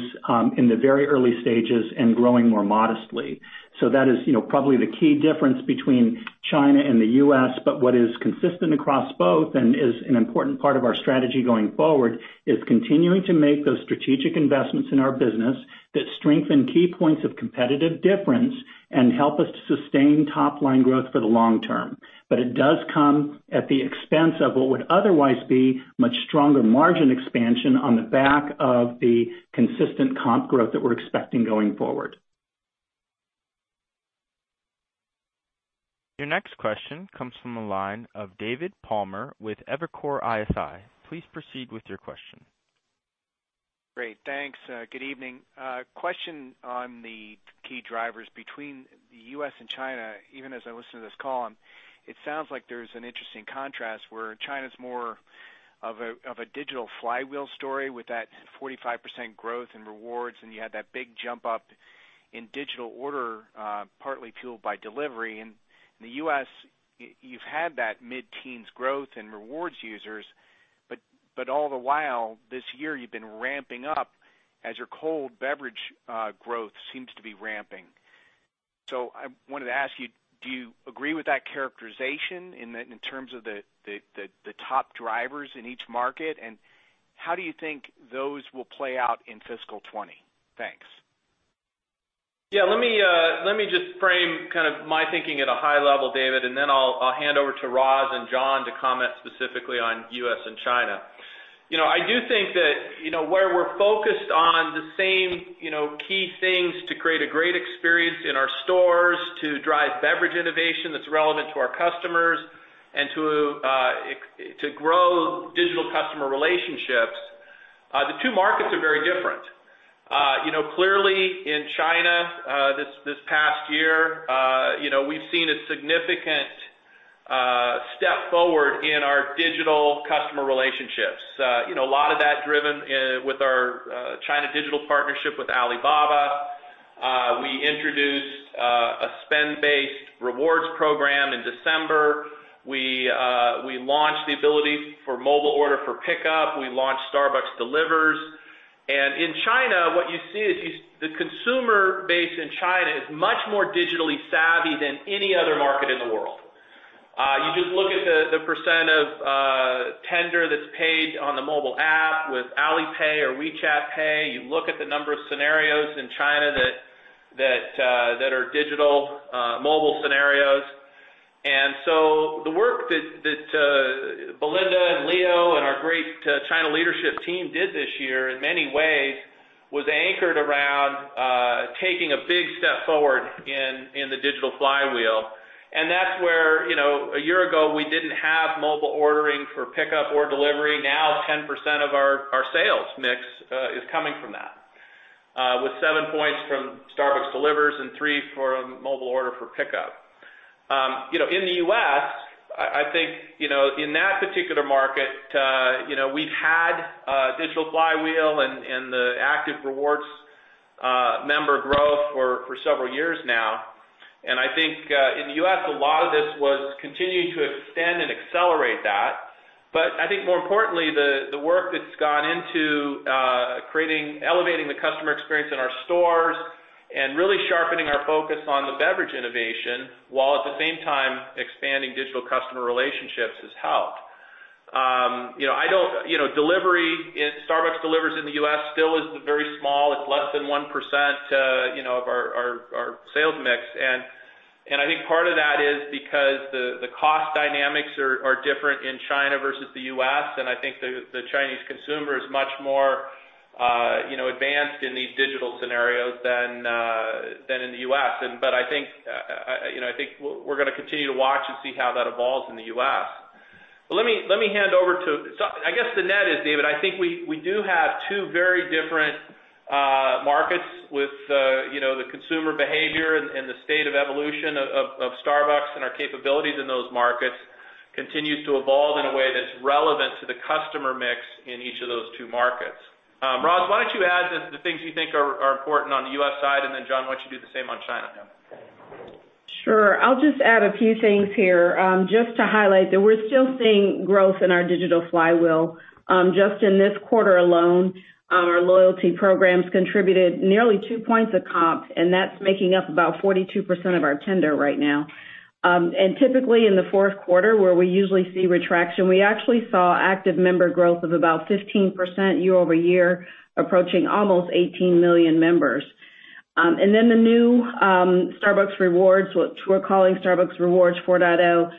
in the very early stages and growing more modestly. That is probably the key difference between China and the U.S., but what is consistent across both and is an important part of our strategy going forward, is continuing to make those strategic investments in our business that strengthen key points of competitive difference and help us to sustain top-line growth for the long term. It does come at the expense of what would otherwise be much stronger margin expansion on the back of the consistent comp growth that we're expecting going forward. Your next question comes from the line of David Palmer with Evercore ISI. Please proceed with your question. Great. Thanks. Good evening. Question on the key drivers between the U.S. and China. Even as I listen to this call, it sounds like there's an interesting contrast where China's more of a digital flywheel story with that 45% growth in Starbucks Rewards, and you had that big jump up in digital order, partly fueled by Starbucks Delivers. In the U.S., you've had that mid-teens growth in Starbucks Rewards users, but all the while this year, you've been ramping up as your cold beverage growth seems to be ramping. I wanted to ask you, do you agree with that characterization in terms of the top drivers in each market? How do you think those will play out in fiscal 2020? Thanks. Yeah. Let me just frame my thinking at a high level, David, and then I'll hand over to Roz and John to comment specifically on U.S. and China. I do think that where we're focused on the same key things to create a great experience in our stores, to drive beverage innovation that's relevant to our customers, and to grow customer relationships. The two markets are very different. In China, this past year we've seen a significant step forward in our digital customer relationships. A lot of that driven with our China digital partnership with Alibaba. We introduced a spend-based rewards program in December. We launched the ability for mobile order for pickup. We launched Starbucks Delivers. In China, what you see is the consumer base in China is much more digitally savvy than any other market in the world. You just look at the % of tender that's paid on the mobile app with Alipay or WeChat Pay. You look at the number of scenarios in China that are digital mobile scenarios. The work that Belinda and Leo and our great China leadership team did this year, in many ways, was anchored around taking a big step forward in the digital flywheel. That's where, a year ago, we didn't have mobile ordering for pickup or delivery. Now 10% of our sales mix is coming from that, with seven points from Starbucks Delivers and three from mobile order for pickup. In the U.S., I think, in that particular market, we've had a digital flywheel and the active rewards member growth for several years now. I think, in the U.S., a lot of this was continuing to extend and accelerate that. I think more importantly, the work that's gone into creating, elevating the customer experience in our stores and really sharpening our focus on the beverage innovation, while at the same time expanding digital customer relationships has helped. Starbucks Delivers in the U.S. still is very small. It's less than 1% of our sales mix. I think part of that is because the cost dynamics are different in China versus the U.S., and I think the Chinese consumer is much more advanced in these digital scenarios than in the U.S. I think we're going to continue to watch and see how that evolves in the U.S. I guess the net is, David, I think we do have two very different markets with the consumer behavior and the state of evolution of Starbucks and our capabilities in those markets continues to evolve in a way that's relevant to the customer mix in each of those two markets. Roz, why don't you add the things you think are important on the U.S. side, and then John, why don't you do the same on China? Sure. I'll just add a few things here. Just to highlight that we're still seeing growth in our digital flywheel. Just in this quarter alone, our loyalty programs contributed nearly two points of comp, that's making up about 42% of our tender right now. Typically in the fourth quarter, where we usually see retraction, we actually saw active member growth of about 15% year-over-year, approaching almost 18 million members. The new Starbucks Rewards, what we're calling Starbucks Rewards 4.0.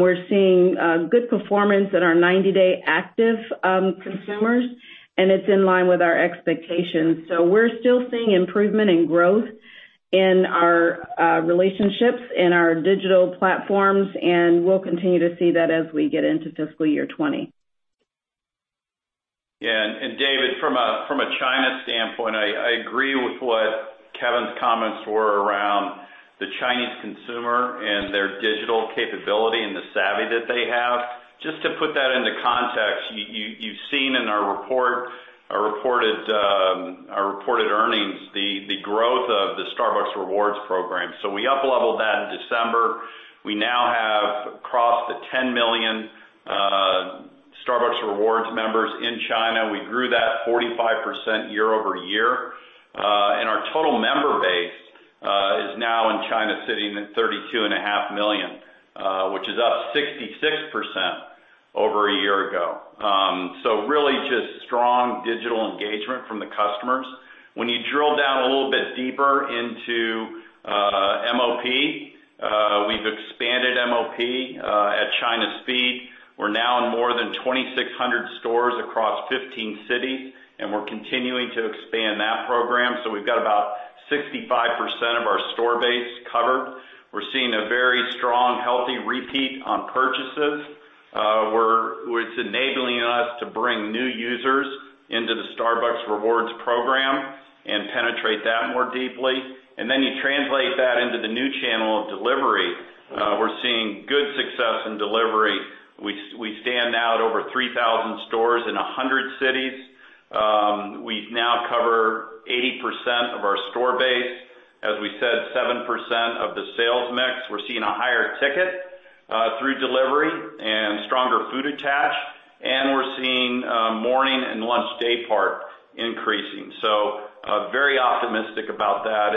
We're seeing good performance in our 90-day active consumers, it's in line with our expectations. We're still seeing improvement and growth in our relationships, in our digital platforms, and we'll continue to see that as we get into fiscal year 2020. Yeah. David, from a China standpoint, I agree with what Kevin's comments were around the Chinese consumer and their digital capability and the savvy that they have. Just to put that into context, you've seen in our reported earnings, the growth of the Starbucks Rewards Program. We upleveled that in December. We now have crossed the 10 million Starbucks Rewards members in China. We grew that 45% year-over-year. Our total member base is now in China sitting at 32.5 million, which is up 66% over a year ago. Really just strong digital engagement from the customers. When you drill down a little bit deeper into MOP, we've expanded MOP at China speed. We're now in more than 2,600 stores across 15 cities, and we're continuing to expand that program. We've got about 65% of our store base covered. We're seeing a very strong, healthy repeat on purchases. It's enabling us to bring new users into the Starbucks Rewards program and penetrate that more deeply. You translate that into the new channel of delivery. We're seeing good success in delivery. We stand now at over 3,000 stores in 100 cities. We now cover 80% of our store base. As we said, 7% of the sales mix. We're seeing a higher ticket through delivery and stronger food attach, we're seeing morning and lunch day part increasing. Very optimistic about that.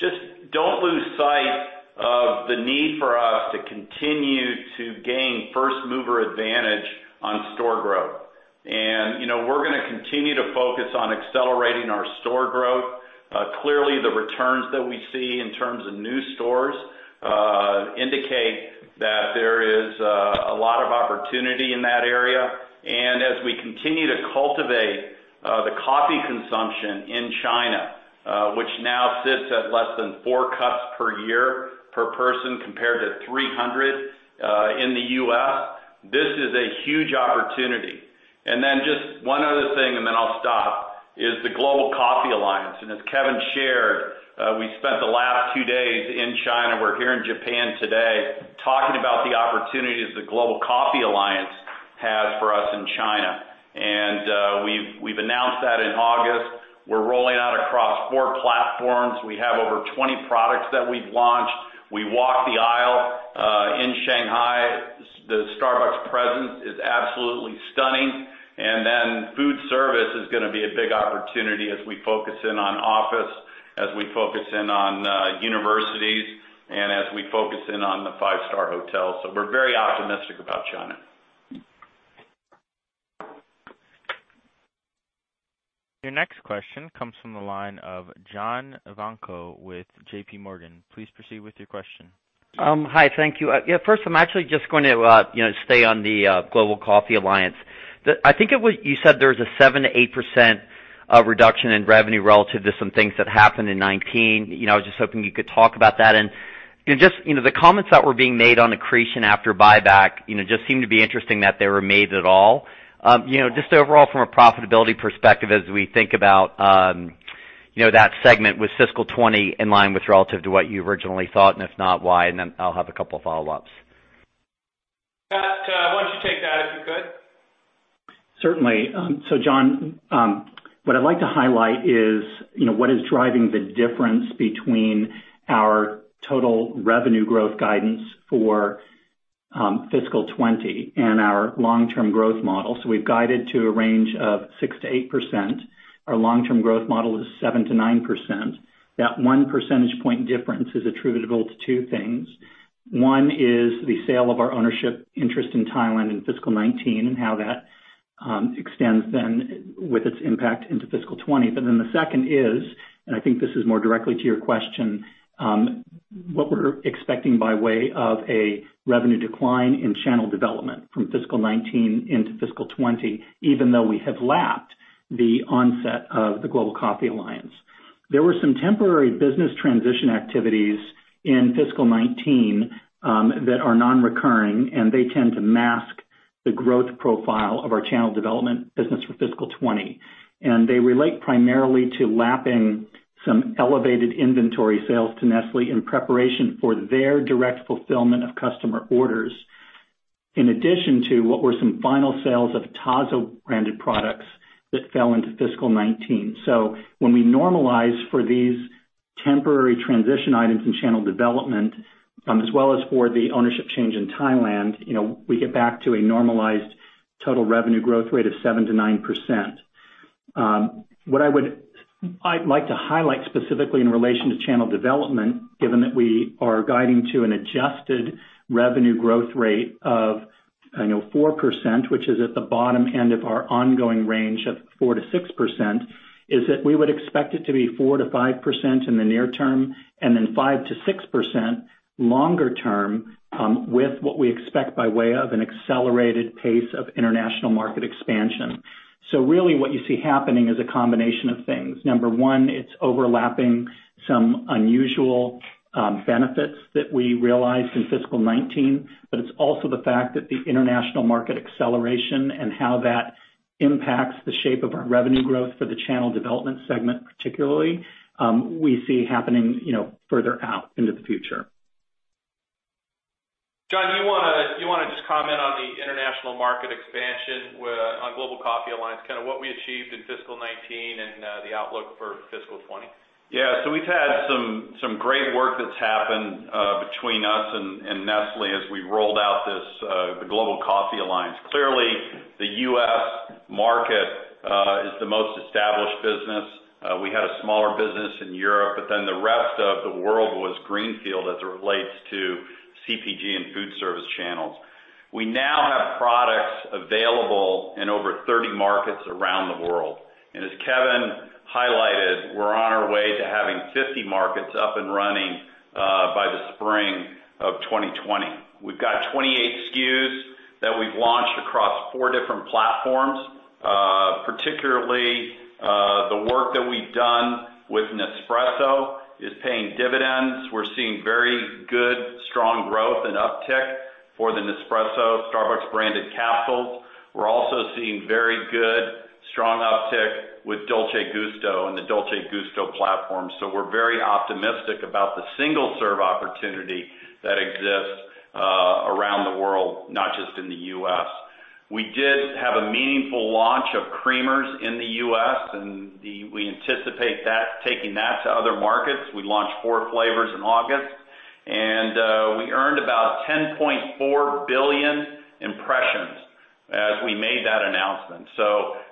Just don't lose sight of the need for us to continue to gain first-mover advantage on store growth. We're going to continue to focus on accelerating our store growth. Clearly, the returns that we see in terms of new stores indicate that there is a lot of opportunity in that area. As we continue to cultivate the coffee consumption in China. Which now sits at less than four cups per year per person, compared to 300 in the U.S. This is a huge opportunity. Just one other thing and then I'll stop, is the Global Coffee Alliance. As Kevin shared, we spent the last two days in China. We're here in Japan today talking about the opportunities the Global Coffee Alliance has for us in China. We've announced that in August. We're rolling out across four platforms. We have over 20 products that we've launched. We walked the aisle in Shanghai. The Starbucks presence is absolutely stunning. Food service is going to be a big opportunity as we focus in on office, as we focus in on universities, and as we focus in on the five-star hotels. We're very optimistic about China. Your next question comes from the line of John Ivankoe with JPMorgan. Please proceed with your question. Hi, thank you. Yeah, first, I'm actually just going to stay on the Global Coffee Alliance. I think you said there was a 7%-8% reduction in revenue relative to some things that happened in 2019. I was just hoping you could talk about that. Just the comments that were being made on accretion after buyback, just seem to be interesting that they were made at all. Just overall, from a profitability perspective, as we think about that segment with fiscal 2020 in line with relative to what you originally thought, and if not, why? I'll have a couple follow-ups. Pat, why don't you take that, if you could? Certainly. John, what I'd like to highlight is what is driving the difference between our total revenue growth guidance for fiscal 2020 and our long-term growth model. We've guided to a range of 6%-8%. Our long-term growth model is 7%-9%. That one percentage point difference is attributable to two things. One is the sale of our ownership interest in Thailand in fiscal 2019, and how that extends then with its impact into fiscal 2020. The second is, and I think this is more directly to your question, what we're expecting by way of a revenue decline in channel development from fiscal 2019 into fiscal 2020, even though we have lapped the onset of the Global Coffee Alliance. There were some temporary business transition activities in fiscal 2019 that are non-recurring, and they tend to mask the growth profile of our channel development business for fiscal 2020. They relate primarily to lapping some elevated inventory sales to Nestlé in preparation for their direct fulfillment of customer orders, in addition to what were some final sales of Tazo branded products that fell into fiscal 2019. When we normalize for these temporary transition items in channel development, as well as for the ownership change in Thailand, we get back to a normalized total revenue growth rate of 7%-9%. What I'd like to highlight specifically in relation to channel development, given that we are guiding to an adjusted revenue growth rate of 4%, which is at the bottom end of our ongoing range of 4%-6%, is that we would expect it to be 4%-5% in the near term, and then 5%-6% longer term with what we expect by way of an accelerated pace of international market expansion. Really what you see happening is a combination of things. Number one, it's overlapping some unusual benefits that we realized in fiscal 2019, but it's also the fact that the international market acceleration and how that impacts the shape of our revenue growth for the channel development segment, particularly, we see happening further out into the future. John, do you want to just comment on the international market expansion on Global Coffee Alliance, kind of what we achieved in fiscal 2019 and the outlook for fiscal 2020? Yeah. We've had some great work that's happened between us and Nestlé as we rolled out the Global Coffee Alliance. Clearly, the U.S. market is the most established business. We had a smaller business in Europe, the rest of the world was greenfield as it relates to CPG and food service channels. We now have products available in over 30 markets around the world. As Kevin highlighted, we're on our way to having 50 markets up and running by the spring of 2020. We've got 28 SKUs that we've launched across four different platforms. Particularly, the work that we've done with Nespresso is paying dividends. We're seeing very good, strong growth and uptick for the Nespresso Starbucks branded capsules. We're also seeing very good, strong uptick with Dolce Gusto and the Dolce Gusto platform. We're very optimistic about the single-serve opportunity that exists around the world, not just in the U.S. We did have a meaningful launch of creamers in the U.S., and we anticipate taking that to other markets. We launched four flavors in August. We earned about 10.4 billion impressions as we made that announcement.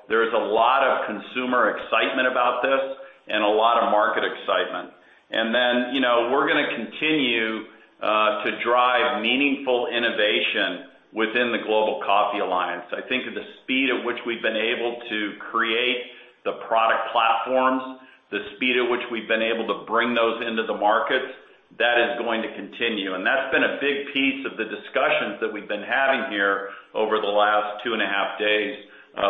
There's a lot of consumer excitement about this and a lot of market excitement. Then, we're going to continue to drive meaningful innovation within the Global Coffee Alliance. I think that the speed at which we've been able to create the product platforms, the speed at which we've been able to bring those into the markets That is going to continue. That's been a big piece of the discussions that we've been having here over the last two and a half days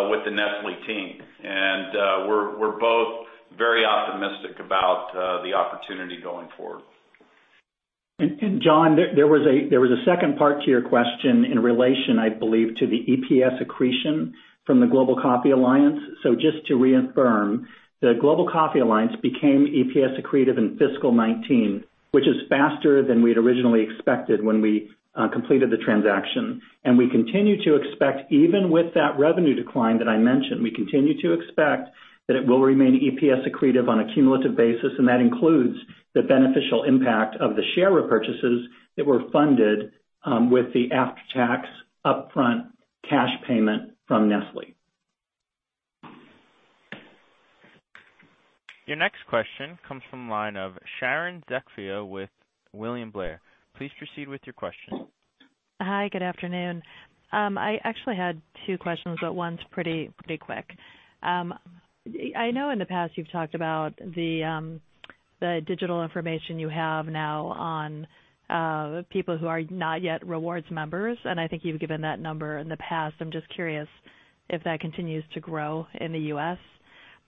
with the Nestlé team. We're both very optimistic about the opportunity going forward. John, there was a second part to your question in relation, I believe, to the EPS accretion from the Global Coffee Alliance. Just to reaffirm, the Global Coffee Alliance became EPS accretive in fiscal 2019, which is faster than we'd originally expected when we completed the transaction. We continue to expect, even with that revenue decline that I mentioned, we continue to expect that it will remain EPS accretive on a cumulative basis, and that includes the beneficial impact of the share repurchases that were funded with the after-tax upfront cash payment from Nestlé. Your next question comes from the line of Sharon Zackfia with William Blair. Please proceed with your question. Hi, good afternoon. I actually had two questions, but one's pretty quick. I know in the past you've talked about the digital information you have now on people who are not yet Rewards members, and I think you've given that number in the past. I'm just curious if that continues to grow in the U.S.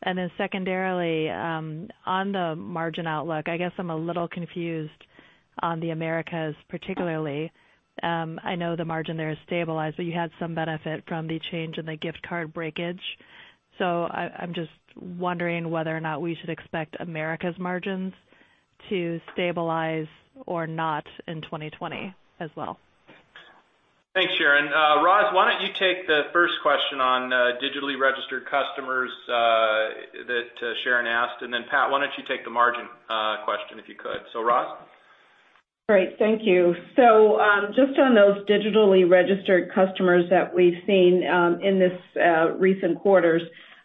Then secondarily, on the margin outlook, I guess I'm a little confused on the Americas particularly. I know the margin there has stabilized, but you had some benefit from the change in the gift card breakage. I'm just wondering whether or not we should expect Americas margins to stabilize or not in 2020 as well. Thanks, Sharon. Roz, why don't you take the first question on digitally registered customers that Sharon asked, and then Pat, why don't you take the margin question, if you could. Roz? Great. Thank you. Just on those digitally registered customers that we've seen in this recent quarters.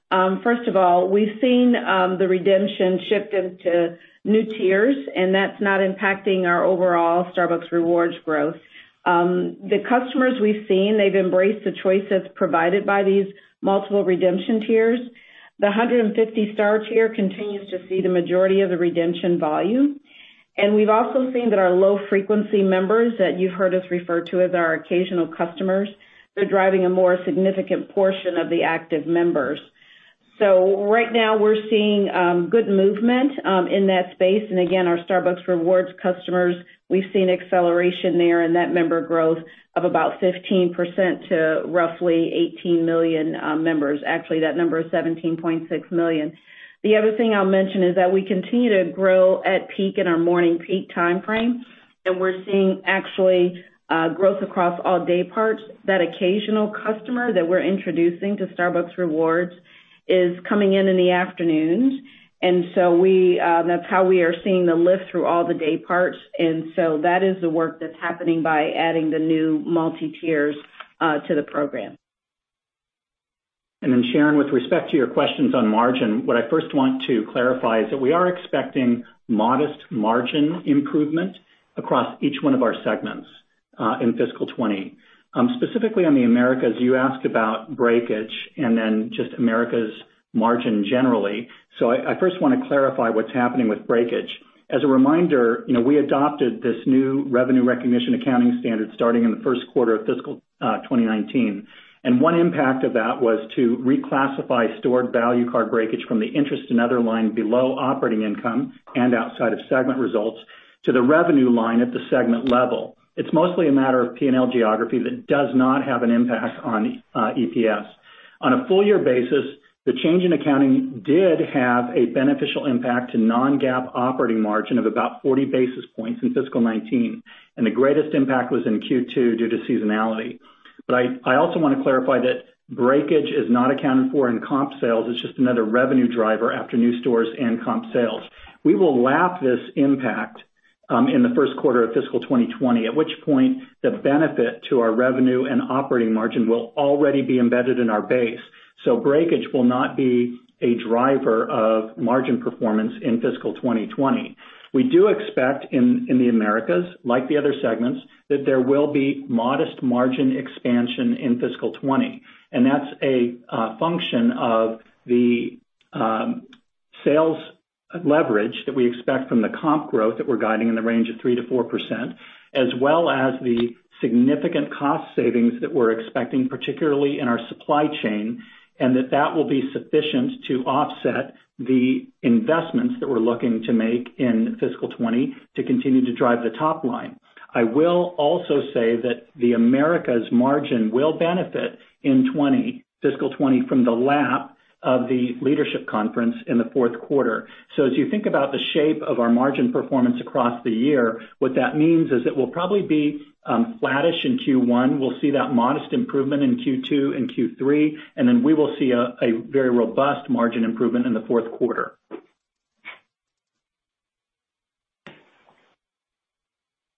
First of all, we've seen the redemption shift into new tiers, and that's not impacting our overall Starbucks Rewards growth. The customers we've seen, they've embraced the choice that's provided by these multiple redemption tiers. The 150 star tier continues to see the majority of the redemption volume. We've also seen that our low-frequency members, that you've heard us refer to as our occasional customers, they're driving a more significant portion of the active members. Right now, we're seeing good movement in that space. Again, our Starbucks Rewards customers, we've seen acceleration there in that member growth of about 15% to roughly 18 million members. Actually, that number is 17.6 million. The other thing I'll mention is that we continue to grow at peak in our morning peak timeframe. We're seeing actually growth across all day parts. That occasional customer that we're introducing to Starbucks Rewards is coming in in the afternoons. That's how we are seeing the lift through all the day parts. That is the work that's happening by adding the new multi-tiers to the program. Sharon, with respect to your questions on margin, what I first want to clarify is that we are expecting modest margin improvement across each one of our segments, in fiscal 2020. Specifically on the Americas, you asked about breakage and then just Americas margin generally. I first want to clarify what's happening with breakage. As a reminder, we adopted this new revenue recognition accounting standard starting in the first quarter of fiscal 2019. One impact of that was to reclassify stored value card breakage from the interest and other line below operating income and outside of segment results to the revenue line at the segment level. It's mostly a matter of P&L geography that does not have an impact on EPS. On a full year basis, the change in accounting did have a beneficial impact to non-GAAP operating margin of about 40 basis points in fiscal 2019, and the greatest impact was in Q2 due to seasonality. I also want to clarify that breakage is not accounted for in comp sales. It's just another revenue driver after new stores and comp sales. We will lap this impact in the first quarter of fiscal 2020, at which point the benefit to our revenue and operating margin will already be embedded in our base. Breakage will not be a driver of margin performance in fiscal 2020. We do expect in the Americas, like the other segments, that there will be modest margin expansion in fiscal 2020. That's a function of the sales leverage that we expect from the comp growth that we're guiding in the range of 3%-4%, as well as the significant cost savings that we're expecting, particularly in our supply chain, and that that will be sufficient to offset the investments that we're looking to make in fiscal 2020 to continue to drive the top line. I will also say that the Americas margin will benefit in fiscal 2020 from the lap of the leadership conference in the fourth quarter. As you think about the shape of our margin performance across the year, what that means is it will probably be flattish in Q1. We'll see that modest improvement in Q2 and Q3, and then we will see a very robust margin improvement in the fourth quarter.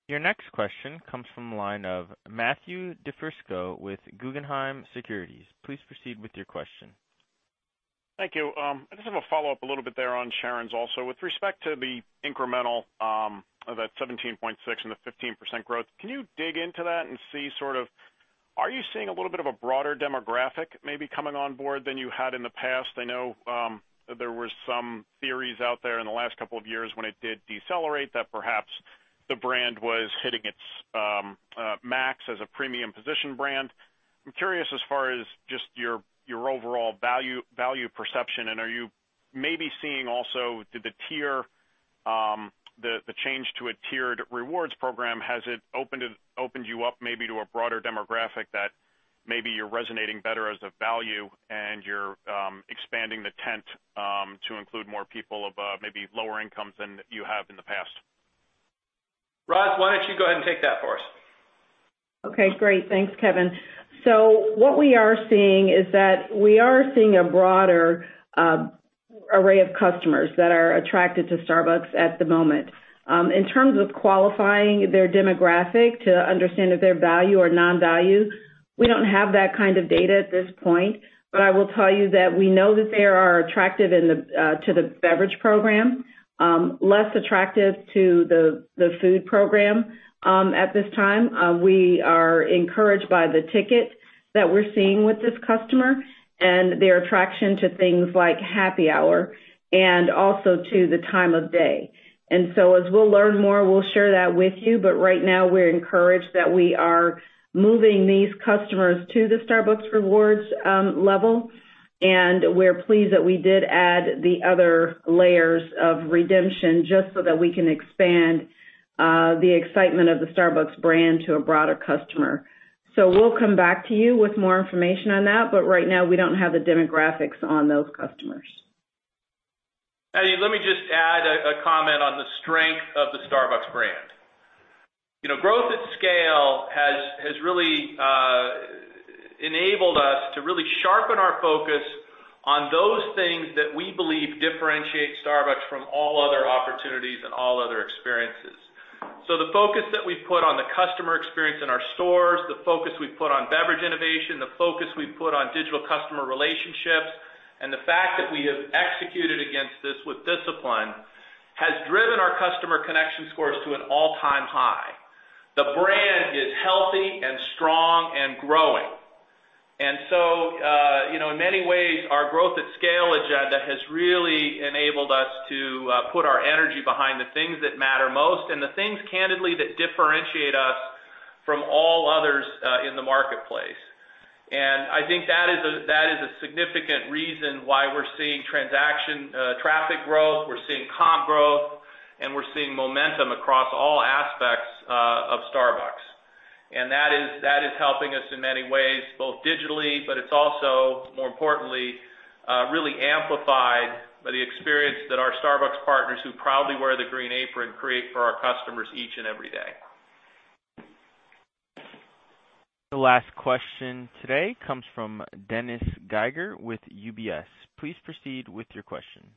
Your next question comes from the line of Matthew DiFrisco with Guggenheim Securities. Please proceed with your question. Thank you. I just have a follow-up a little bit there on Sharon's also. With respect to the incremental of that 17.6% and the 15% growth, can you dig into that and see? Are you seeing a little bit of a broader demographic maybe coming on board than you had in the past? I know there were some theories out there in the last couple of years when it did decelerate, that perhaps the brand was hitting its max as a premium position brand. I'm curious as far as just your overall value perception, and are you maybe seeing also, did the change to a tiered rewards program, has it opened you up maybe to a broader demographic that maybe you're resonating better as a value and you're expanding the tent to include more people of maybe lower incomes than you have in the past? Roz, why don't you go ahead and take that for us? Okay, great. Thanks, Kevin. What we are seeing is that we are seeing a broader array of customers that are attracted to Starbucks at the moment. In terms of qualifying their demographic to understand if they're value or non-value, we don't have that kind of data at this point. I will tell you that we know that they are attractive to the beverage program, less attractive to the food program at this time. We are encouraged by the ticket that we're seeing with this customer and their attraction to things like happy hour and also to the time of day. As we'll learn more, we'll share that with you. Right now, we're encouraged that we are moving these customers to the Starbucks Rewards level. We're pleased that we did add the other layers of redemption just so that we can expand the excitement of the Starbucks brand to a broader customer. We'll come back to you with more information on that, but right now, we don't have the demographics on those customers. Let me just add a comment on the strength of the Starbucks brand. Growth at scale has really enabled us to really sharpen our focus on those things that we believe differentiate Starbucks from all other opportunities and all other experiences. The focus that we've put on the customer experience in our stores, the focus we've put on beverage innovation, the focus we've put on digital customer relationships, and the fact that we have executed against this with discipline, has driven our customer connection scores to an all-time high. The brand is healthy and strong and growing. In many ways, our growth at scale agenda has really enabled us to put our energy behind the things that matter most and the things, candidly, that differentiate us from all others in the marketplace. I think that is a significant reason why we're seeing transaction traffic growth, we're seeing comp growth, and we're seeing momentum across all aspects of Starbucks. That is helping us in many ways, both digitally, but it's also, more importantly, really amplified by the experience that our Starbucks Partners who proudly wear the Green Apron, create for our customers each and every day. The last question today comes from Dennis Geiger with UBS. Please proceed with your question.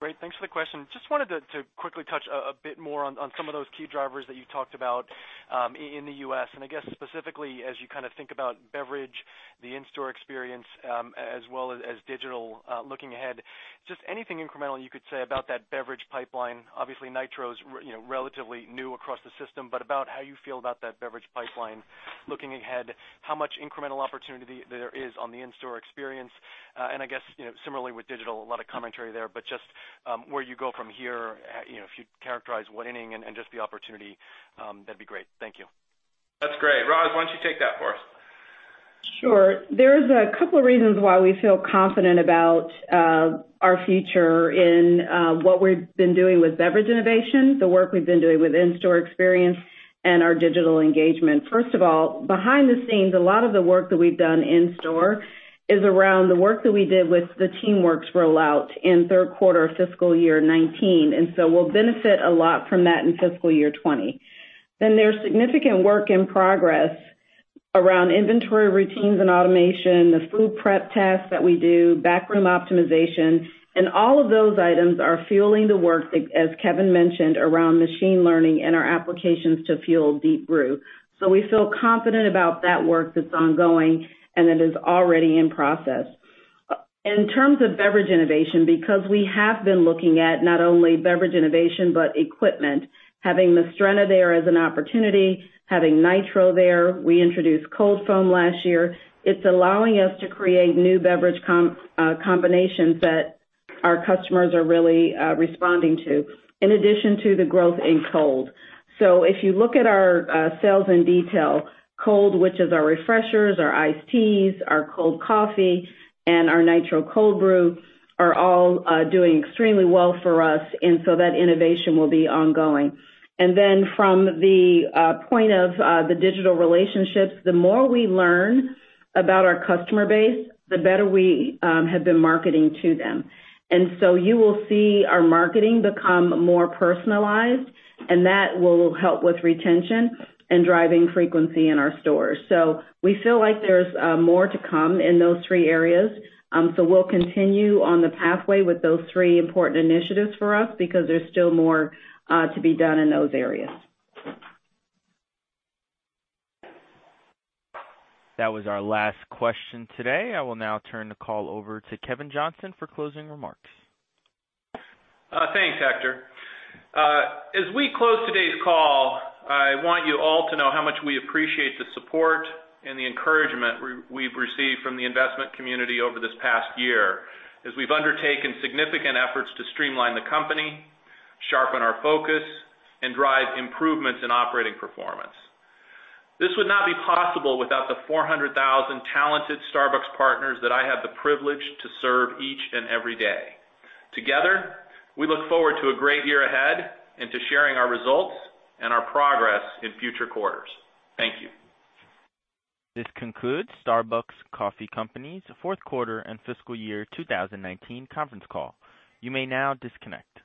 Great. Thanks for the question. Just wanted to quickly touch a bit more on some of those key drivers that you talked about in the U.S. I guess specifically, as you kind of think about beverage, the in-store experience, as well as digital looking ahead, just anything incremental you could say about that beverage pipeline. Obviously, Nitro's relatively new across the system, but about how you feel about that beverage pipeline looking ahead. How much incremental opportunity there is on the in-store experience. I guess similarly with digital, a lot of commentary there, but just where you go from here, if you'd characterize what inning and just the opportunity, that'd be great. Thank you. That's great. Roz, why don't you take that for us? Sure. There's a couple of reasons why we feel confident about our future in what we've been doing with beverage innovation, the work we've been doing with in-store experience, and our digital engagement. First of all, behind the scenes, a lot of the work that we've done in store is around the work that we did with the Teamworks rollout in third quarter of fiscal year 2019. We'll benefit a lot from that in fiscal year 2020. There's significant work in progress around inventory routines and automation, the food prep tasks that we do, backroom optimization, and all of those items are fueling the work, as Kevin mentioned, around machine learning and our applications to fuel Deep Brew. We feel confident about that work that's ongoing and that is already in process. In terms of beverage innovation, because we have been looking at not only beverage innovation, but equipment, having the Mastrena there as an opportunity, having Nitro there. We introduced cold foam last year. It's allowing us to create new beverage combinations that our customers are really responding to, in addition to the growth in cold. If you look at our sales in detail, cold, which is our refreshers, our iced teas, our cold coffee, and our Nitro Cold Brew, are all doing extremely well for us, that innovation will be ongoing. From the point of the digital relationships, the more we learn about our customer base, the better we have been marketing to them. You will see our marketing become more personalized, that will help with retention and driving frequency in our stores. We feel like there's more to come in those three areas. We'll continue on the pathway with those three important initiatives for us because there's still more to be done in those areas. That was our last question today. I will now turn the call over to Kevin Johnson for closing remarks. Thanks, Hector. As we close today's call, I want you all to know how much we appreciate the support and the encouragement we've received from the investment community over this past year as we've undertaken significant efforts to streamline the company, sharpen our focus, and drive improvements in operating performance. This would not be possible without the 400,000 talented Starbucks partners that I have the privilege to serve each and every day. Together, we look forward to a great year ahead and to sharing our results and our progress in future quarters. Thank you. This concludes Starbucks Coffee Company's fourth quarter and fiscal year 2019 conference call. You may now disconnect.